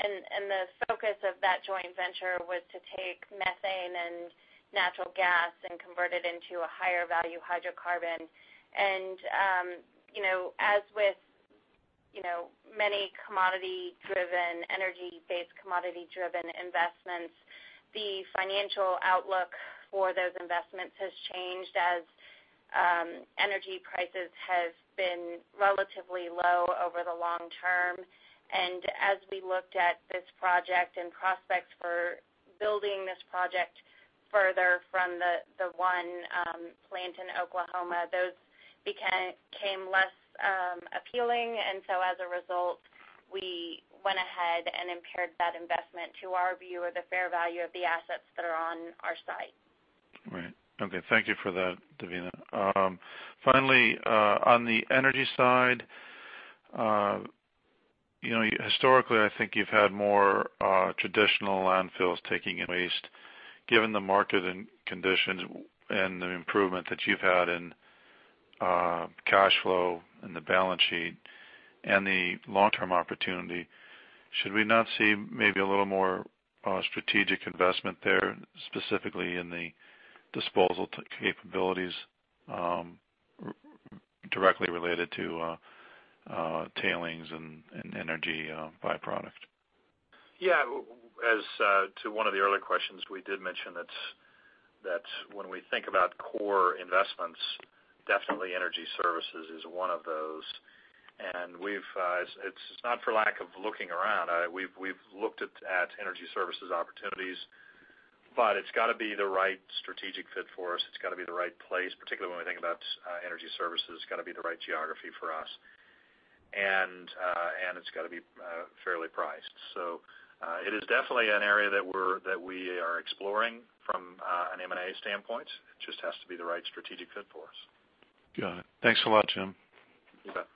The focus of that joint venture was to take methane and natural gas and convert it into a higher value hydrocarbon. As with many commodity-driven, energy-based commodity-driven investments, the financial outlook for those investments has changed as energy prices has been relatively low over the long term. As we looked at this project and prospects for building this project further from the one plant in Oklahoma, those became less appealing, as a result, we went ahead and impaired that investment to our view of the fair value of the assets that are on our site. Right. Okay. Thank you for that, Devina. Finally, on the energy side, historically, I think you've had more traditional landfills taking in waste. Given the market and conditions and the improvement that you've had in cash flow and the balance sheet and the long-term opportunity, should we not see maybe a little more strategic investment there, specifically in the disposal capabilities directly related to tailings and energy by-product? Yeah. As to one of the earlier questions, we did mention that when we think about core investments, definitely energy services is one of those. It's not for lack of looking around. We've looked at energy services opportunities, but it's got to be the right strategic fit for us. It's got to be the right place, particularly when we think about energy services. It's got to be the right geography for us. It's got to be fairly priced. It is definitely an area that we are exploring from an M&A standpoint. It just has to be the right strategic fit for us. Got it. Thanks a lot, Jim. You bet.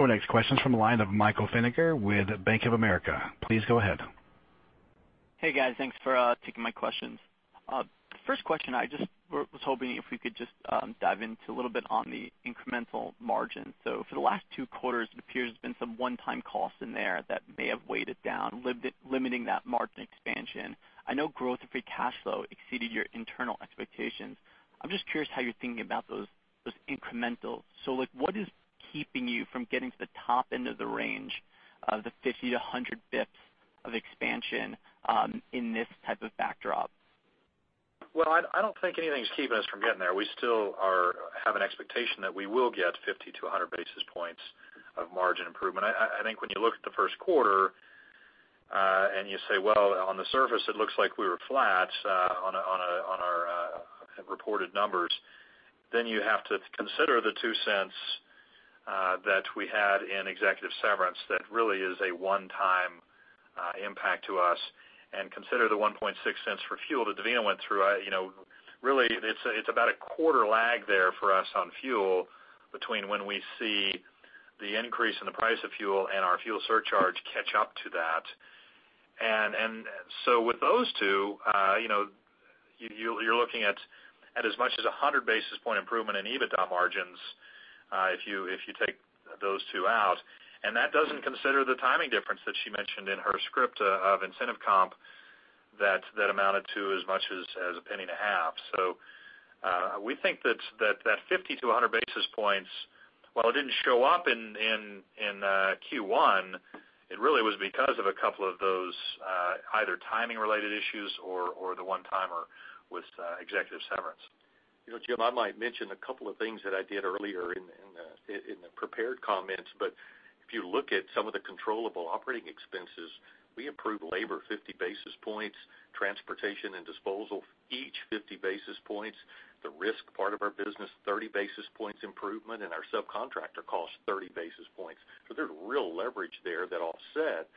Our next question is from the line of Michael Finnegan with Bank of America. Please go ahead. Hey, guys. Thanks for taking my questions. First question, I just was hoping if we could just dive into a little bit on the incremental margin. For the last two quarters, it appears there's been some one-time costs in there that may have weighted down, limiting that margin expansion. I know growth of free cash flow exceeded your internal expectations. I'm just curious how you're thinking about those incrementals. What is keeping you from getting to the top end of the range of the 50 to 100 basis points of expansion in this type of backdrop? I don't think anything's keeping us from getting there. We still have an expectation that we will get 50 to 100 basis points of margin improvement. I think when you look at the first quarter, and you say, on the surface, it looks like we were flat on our reported numbers, then you have to consider the $0.02 that we had in executive severance that really is a one-time impact to us, and consider the $0.016 for fuel that Devina went through. Really, it's about a quarter lag there for us on fuel between when we see the increase in the price of fuel and our fuel surcharge catch up to that. With those two, you're looking at as much as 100 basis point improvement in EBITDA margins, if you take those two out. That doesn't consider the timing difference that she mentioned in her script of incentive comp that amounted to as much as $0.015. We think that 50 to 100 basis points, while it didn't show up in Q1, it really was because of a couple of those, either timing related issues or the one-timer with executive severance. Jim, I might mention a couple of things that I did earlier in the prepared comments, but if you look at some of the controllable operating expenses, we improved labor 50 basis points, transportation and disposal, each 50 basis points, the risk part of our business, 30 basis points improvement, and our subcontractor cost 30 basis points. There's real leverage there that offset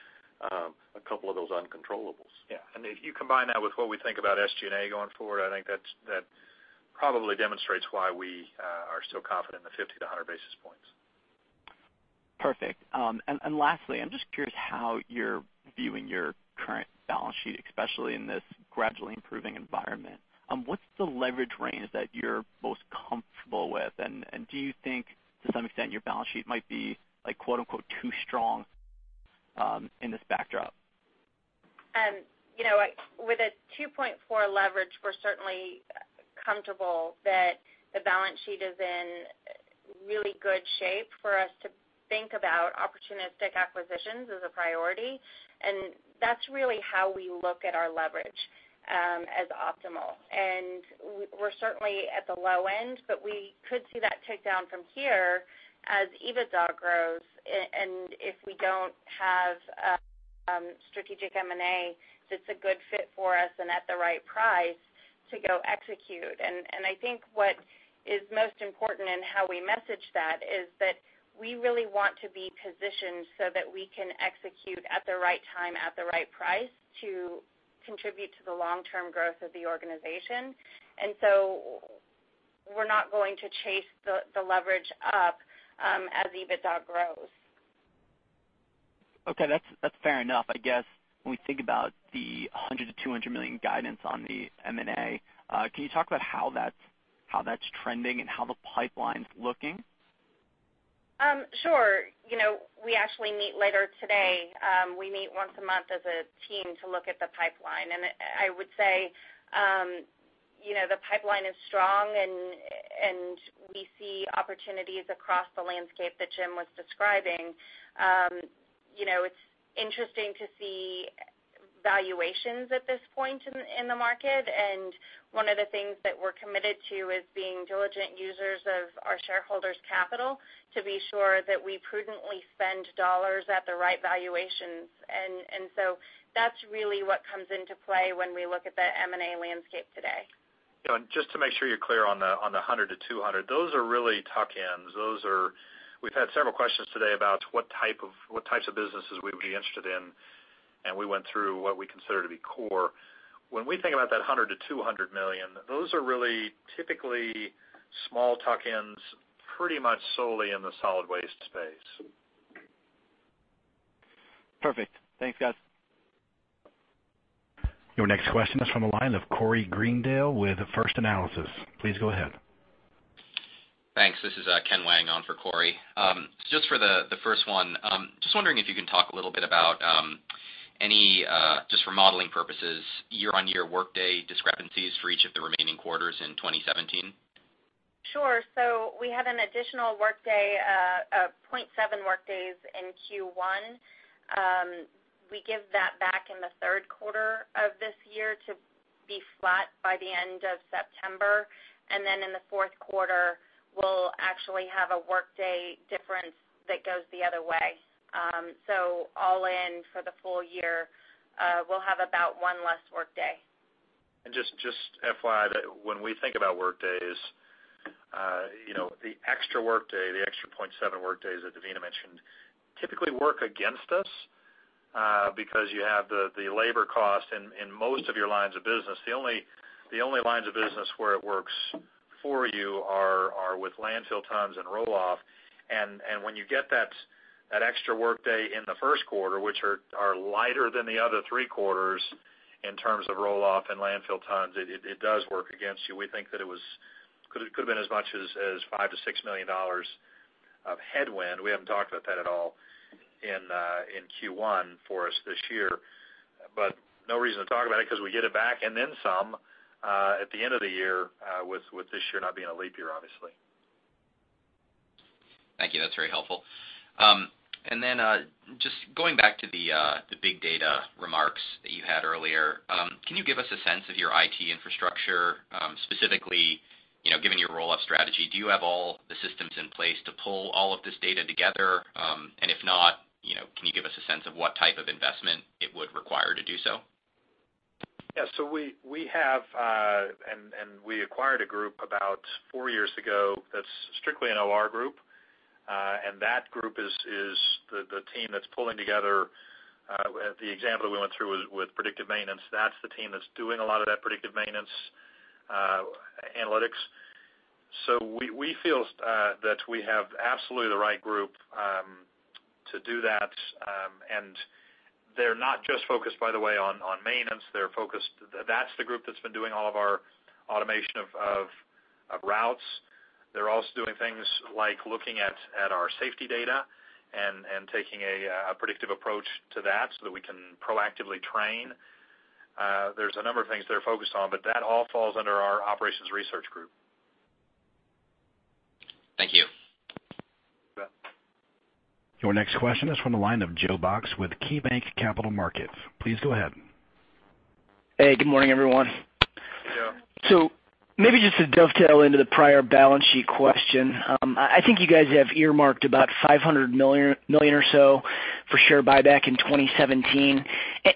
a couple of those uncontrollables. Yeah. If you combine that with what we think about SG&A going forward, I think that probably demonstrates why we are so confident in the 50 basis points-100 basis points. Perfect. Lastly, I'm just curious how you're viewing your current balance sheet, especially in this gradually improving environment. What's the leverage range that you're most comfortable with? Do you think, to some extent, your balance sheet might be, "too strong" in this backdrop? With a 2.4 leverage, we're certainly comfortable that the balance sheet is in really good shape for us to think about opportunistic acquisitions as a priority. That's really how we look at our leverage, as optimal. We're certainly at the low end, but we could see that tick down from here as EBITDA grows. If we don't have strategic M&A that's a good fit for us and at the right price to go execute. I think what is most important in how we message that is that we really want to be positioned so that we can execute at the right time, at the right price, to contribute to the long-term growth of the organization. We're not going to chase the leverage up as EBITDA grows. Okay. That's fair enough. I guess, when we think about the $100 million-$200 million guidance on the M&A, can you talk about how that's trending and how the pipeline's looking? Sure. We actually meet later today. We meet once a month as a team to look at the pipeline. I would say the pipeline is strong and we see opportunities across the landscape that Jim was describing. It's interesting to see valuations at this point in the market. One of the things that we're committed to is being diligent users of our shareholders' capital to be sure that we prudently spend dollars at the right valuations. That's really what comes into play when we look at that M&A landscape today. Just to make sure you're clear on the $100 million-$200 million, those are really tuck-ins. We've had several questions today about what types of businesses we'd be interested in, and we went through what we consider to be core. When we think about that $100 million-$200 million, those are really typically small tuck-ins, pretty much solely in the solid waste space. Perfect. Thanks, guys. Your next question is from the line of Corey Greendale with First Analysis. Please go ahead. Thanks. This is Ken Wang on for Corey. Just for the first one, just wondering if you can talk a little bit about any, just for modeling purposes, year-on-year workday discrepancies for each of the remaining quarters in 2017. Sure. We had an additional 0.7 workdays in Q1. We give that back in the third quarter of this year to be flat by the end of September. In the fourth quarter, we'll actually have a workday difference that goes the other way. All in for the full year, we'll have about one less workday. Just FYI, when we think about workdays, the extra workday, the extra 0.7 workdays that Devina mentioned, typically work against us, because you have the labor cost in most of your lines of business. The only lines of business where it works for you are with landfill tons and roll-off. When you get that extra workday in the first quarter, which are lighter than the other three quarters in terms of roll-off and landfill tons, it does work against you. We think that it could have been as much as $5 million-$6 million of headwind. We haven't talked about that at all in Q1 for us this year. No reason to talk about it because we get it back and then some at the end of the year, with this year not being a leap year, obviously. Thank you. That's very helpful. Just going back to the big data remarks that you had earlier, can you give us a sense of your IT infrastructure, specifically, given your roll-off strategy, do you have all the systems in place to pull all of this data together? If not, can you give us a sense of what type of investment it would require to do so? Yeah. We have, we acquired a group about four years ago that's strictly an OR group. That group is the team that's pulling together, the example that we went through with predictive maintenance, that's the team that's doing a lot of that predictive maintenance analytics. We feel that we have absolutely the right group to do that. They're not just focused, by the way, on maintenance. That's the group that's been doing all of our automation of routes. They're also doing things like looking at our safety data and taking a predictive approach to that so that we can proactively train. There's a number of things they're focused on, but that all falls under our operations research group. Thank you. You bet. Your next question is from the line of Joe Box with KeyBanc Capital Markets. Please go ahead. Hey, good morning, everyone. Joe. Maybe just to dovetail into the prior balance sheet question. I think you guys have earmarked about $500 million or so for share buyback in 2017.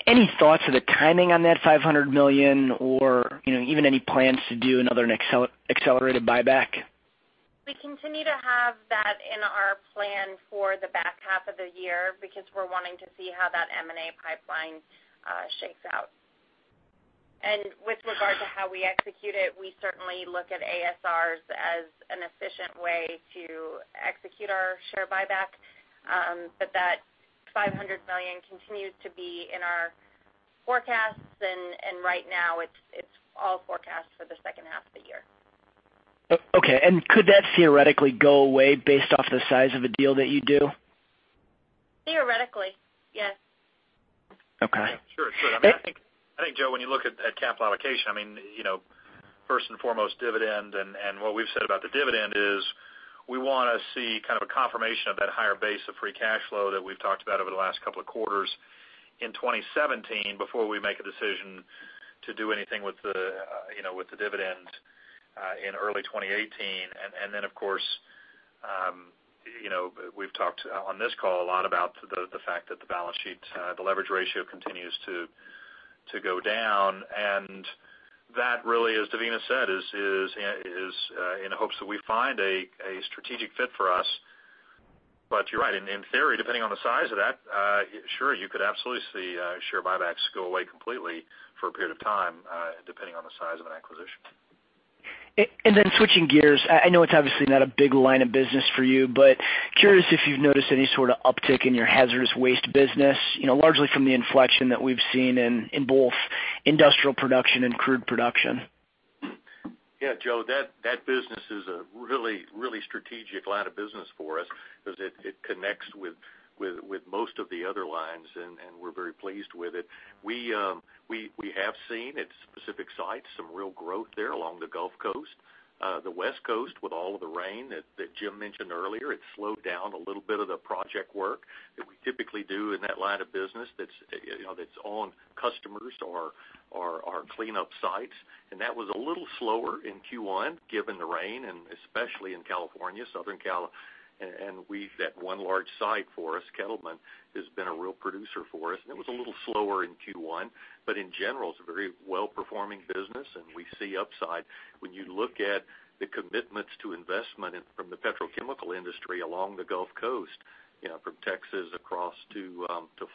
Any thoughts of the timing on that $500 million, or even any plans to do another accelerated buyback? We continue to have that in our plan for the back half of the year because we're wanting to see how that M&A pipeline shakes out. With regard to how we execute it, we certainly look at ASRs as an efficient way to execute our share buyback. That $500 million continues to be in our forecasts, and right now it's all forecast for the second half of the year. Okay, could that theoretically go away based off the size of a deal that you do? Theoretically, yes. Okay. Sure. I think, Joe, when you look at capital allocation, first and foremost, dividend. What we've said about the dividend is we want to see kind of a confirmation of that higher base of free cash flow that we've talked about over the last couple of quarters in 2017 before we make a decision to do anything with the dividend in early 2018. Then, of course, we've talked on this call a lot about the fact that the balance sheet, the leverage ratio continues to go down. That really, as Devina said, is in the hopes that we find a strategic fit for us. You're right. In theory, depending on the size of that sure, you could absolutely see share buybacks go away completely for a period of time, depending on the size of an acquisition. Then switching gears, I know it's obviously not a big line of business for you, but curious if you've noticed any sort of uptick in your hazardous waste business, largely from the inflection that we've seen in both industrial production and crude production. Yeah, Joe, that business is a really strategic line of business for us because it connects with most of the other lines, and we're very pleased with it. We have seen at specific sites some real growth there along the Gulf Coast. The West Coast, with all of the rain that Jim mentioned earlier, it slowed down a little bit of the project work that we typically do in that line of business that's on customers or our cleanup sites. That was a little slower in Q1, given the rain, and especially in California, Southern Cali. We've that one large site for us, Kettleman, has been a real producer for us, and it was a little slower in Q1. In general, it's a very well-performing business, and we see upside. When you look at the commitments to investment from the petrochemical industry along the Gulf Coast, from Texas across to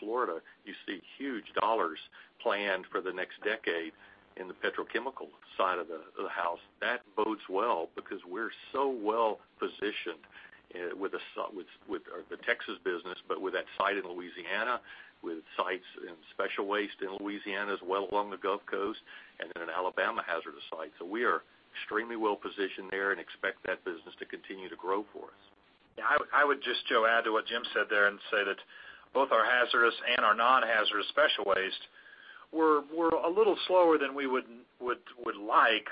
Florida, you see huge dollars planned for the next decade in the petrochemical side of the house. That bodes well because we're so well positioned with the Texas business, but with that site in Louisiana, with sites in special waste in Louisiana as well along the Gulf Coast, and then an Alabama hazardous site. We are extremely well positioned there and expect that business to continue to grow for us. Yeah. I would just, Joe, add to what Jim said there and say that both our hazardous and our non-hazardous special waste were a little slower than we would like.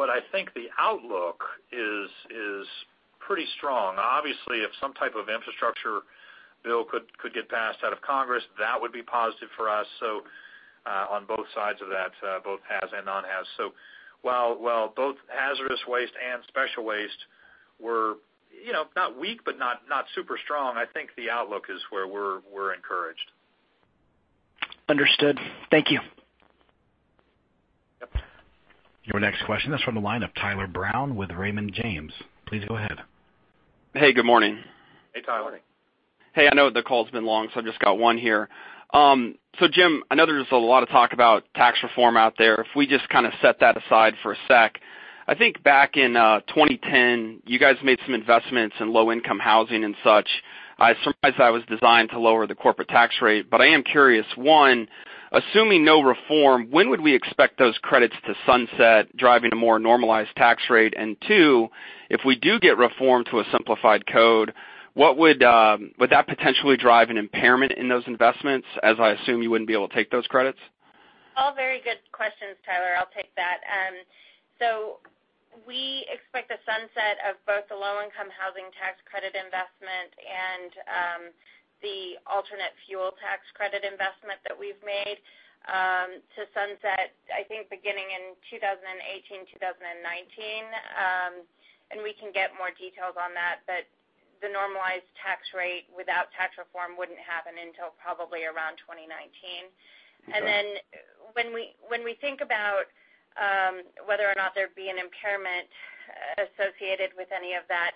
I think the outlook is pretty strong. Obviously, if some type of infrastructure bill could get passed out of Congress, that would be positive for us. On both sides of that, both haz and non-haz. While both hazardous waste and special waste were not weak, but not super strong, I think the outlook is where we're encouraged. Understood. Thank you. Yep. Your next question is from the line of Tyler Brown with Raymond James. Please go ahead. Hey, good morning. Hey, Tyler. Morning. Hey, I know the call's been long, I've just got one here. Jim, I know there's a lot of talk about tax reform out there. If we just kind of set that aside for a sec. I think back in 2010, you guys made some investments in low income housing and such. I surmised that was designed to lower the corporate tax rate. I am curious, one, assuming no reform, when would we expect those credits to sunset, driving a more normalized tax rate? Two, if we do get reform to a simplified code, would that potentially drive an impairment in those investments, as I assume you wouldn't be able to take those credits? All very good questions, Tyler. I'll take that. We expect the sunset of both the low income housing tax credit investment and the alternate fuel tax credit investment that we've made to sunset, I think, beginning in 2018, 2019. We can get more details on that. The normalized tax rate without tax reform wouldn't happen until probably around 2019. Okay. When we think about whether or not there'd be an impairment associated with any of that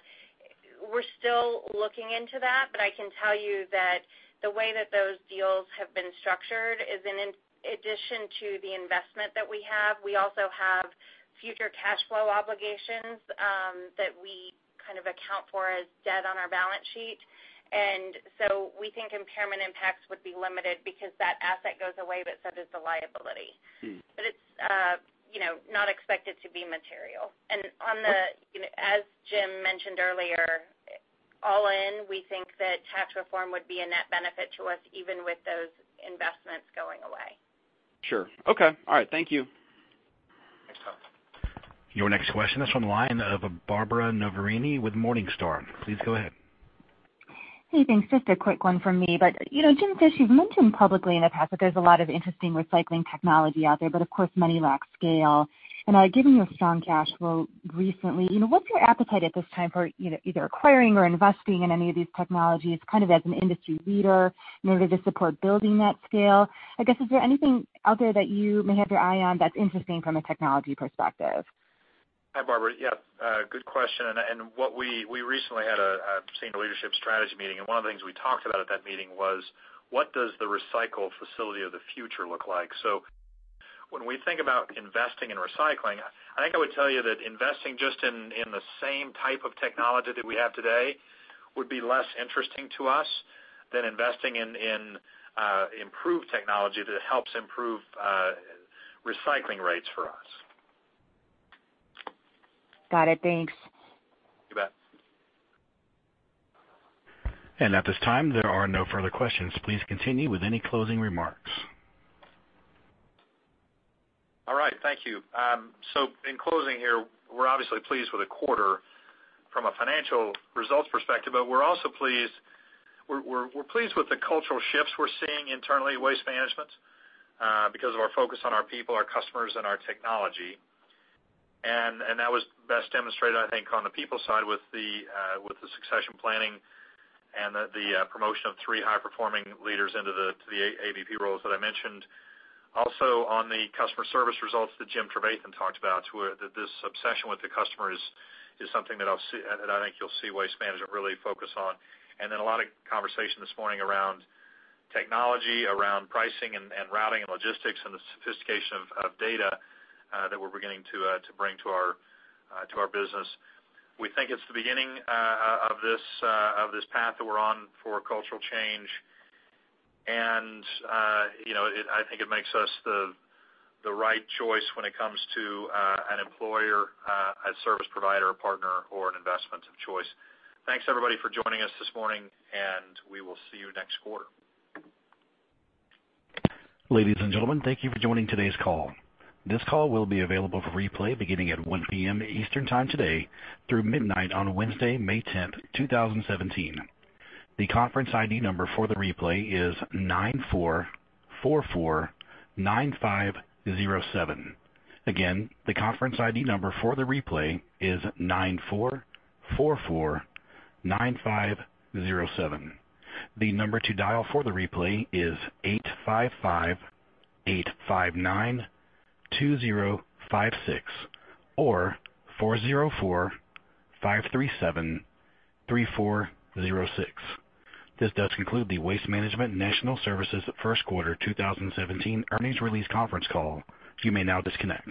We're still looking into that, but I can tell you that the way that those deals have been structured is in addition to the investment that we have, we also have future cash flow obligations that we kind of account for as debt on our balance sheet. We think impairment impacts would be limited because that asset goes away, but so does the liability. It's not expected to be material. As Jim mentioned earlier, all in, we think that tax reform would be a net benefit to us, even with those investments going away. Sure. Okay. All right. Thank you. Thanks, Tyler. Your next question is from the line of Barbara Noverini with Morningstar. Please go ahead. Hey, thanks. Just a quick one from me. Jim Fish, you've mentioned publicly in the past that there's a lot of interesting recycling technology out there, but of course, many lack scale. Given your strong cash flow recently, what's your appetite at this time for either acquiring or investing in any of these technologies, kind of as an industry leader maybe to support building that scale? I guess, is there anything out there that you may have your eye on that's interesting from a technology perspective? Hi, Barbara. Yeah, good question. We recently had a senior leadership strategy meeting, one of the things we talked about at that meeting was what does the recycle facility of the future look like? When we think about investing in recycling, I think I would tell you that investing just in the same type of technology that we have today would be less interesting to us than investing in improved technology that helps improve recycling rates for us. Got it. Thanks. You bet. At this time, there are no further questions. Please continue with any closing remarks. All right. Thank you. In closing here, we're obviously pleased with the quarter from a financial results perspective, but we're also pleased with the cultural shifts we're seeing internally at Waste Management, because of our focus on our people, our customers, and our technology. That was best demonstrated, I think, on the people side with the succession planning and the promotion of three high-performing leaders into the AVP roles that I mentioned. Also on the customer service results that Jim Trevathan talked about, this obsession with the customer is something that I think you'll see Waste Management really focus on. A lot of conversation this morning around technology, around pricing and routing and logistics, and the sophistication of data that we're beginning to bring to our business. We think it's the beginning of this path that we're on for cultural change. I think it makes us the right choice when it comes to an employer, a service provider, a partner, or an investment of choice. Thanks, everybody, for joining us this morning, and we will see you next quarter. Ladies and gentlemen, thank you for joining today's call. This call will be available for replay beginning at 1:00 P.M. Eastern Time today through midnight on Wednesday, May 10th, 2017. The conference ID number for the replay is 94449507. Again, the conference ID number for the replay is 94449507. The number to dial for the replay is 8558592056 or 4045373406. This does conclude the Waste Management National Services First Quarter 2017 Earnings Release Conference Call. You may now disconnect.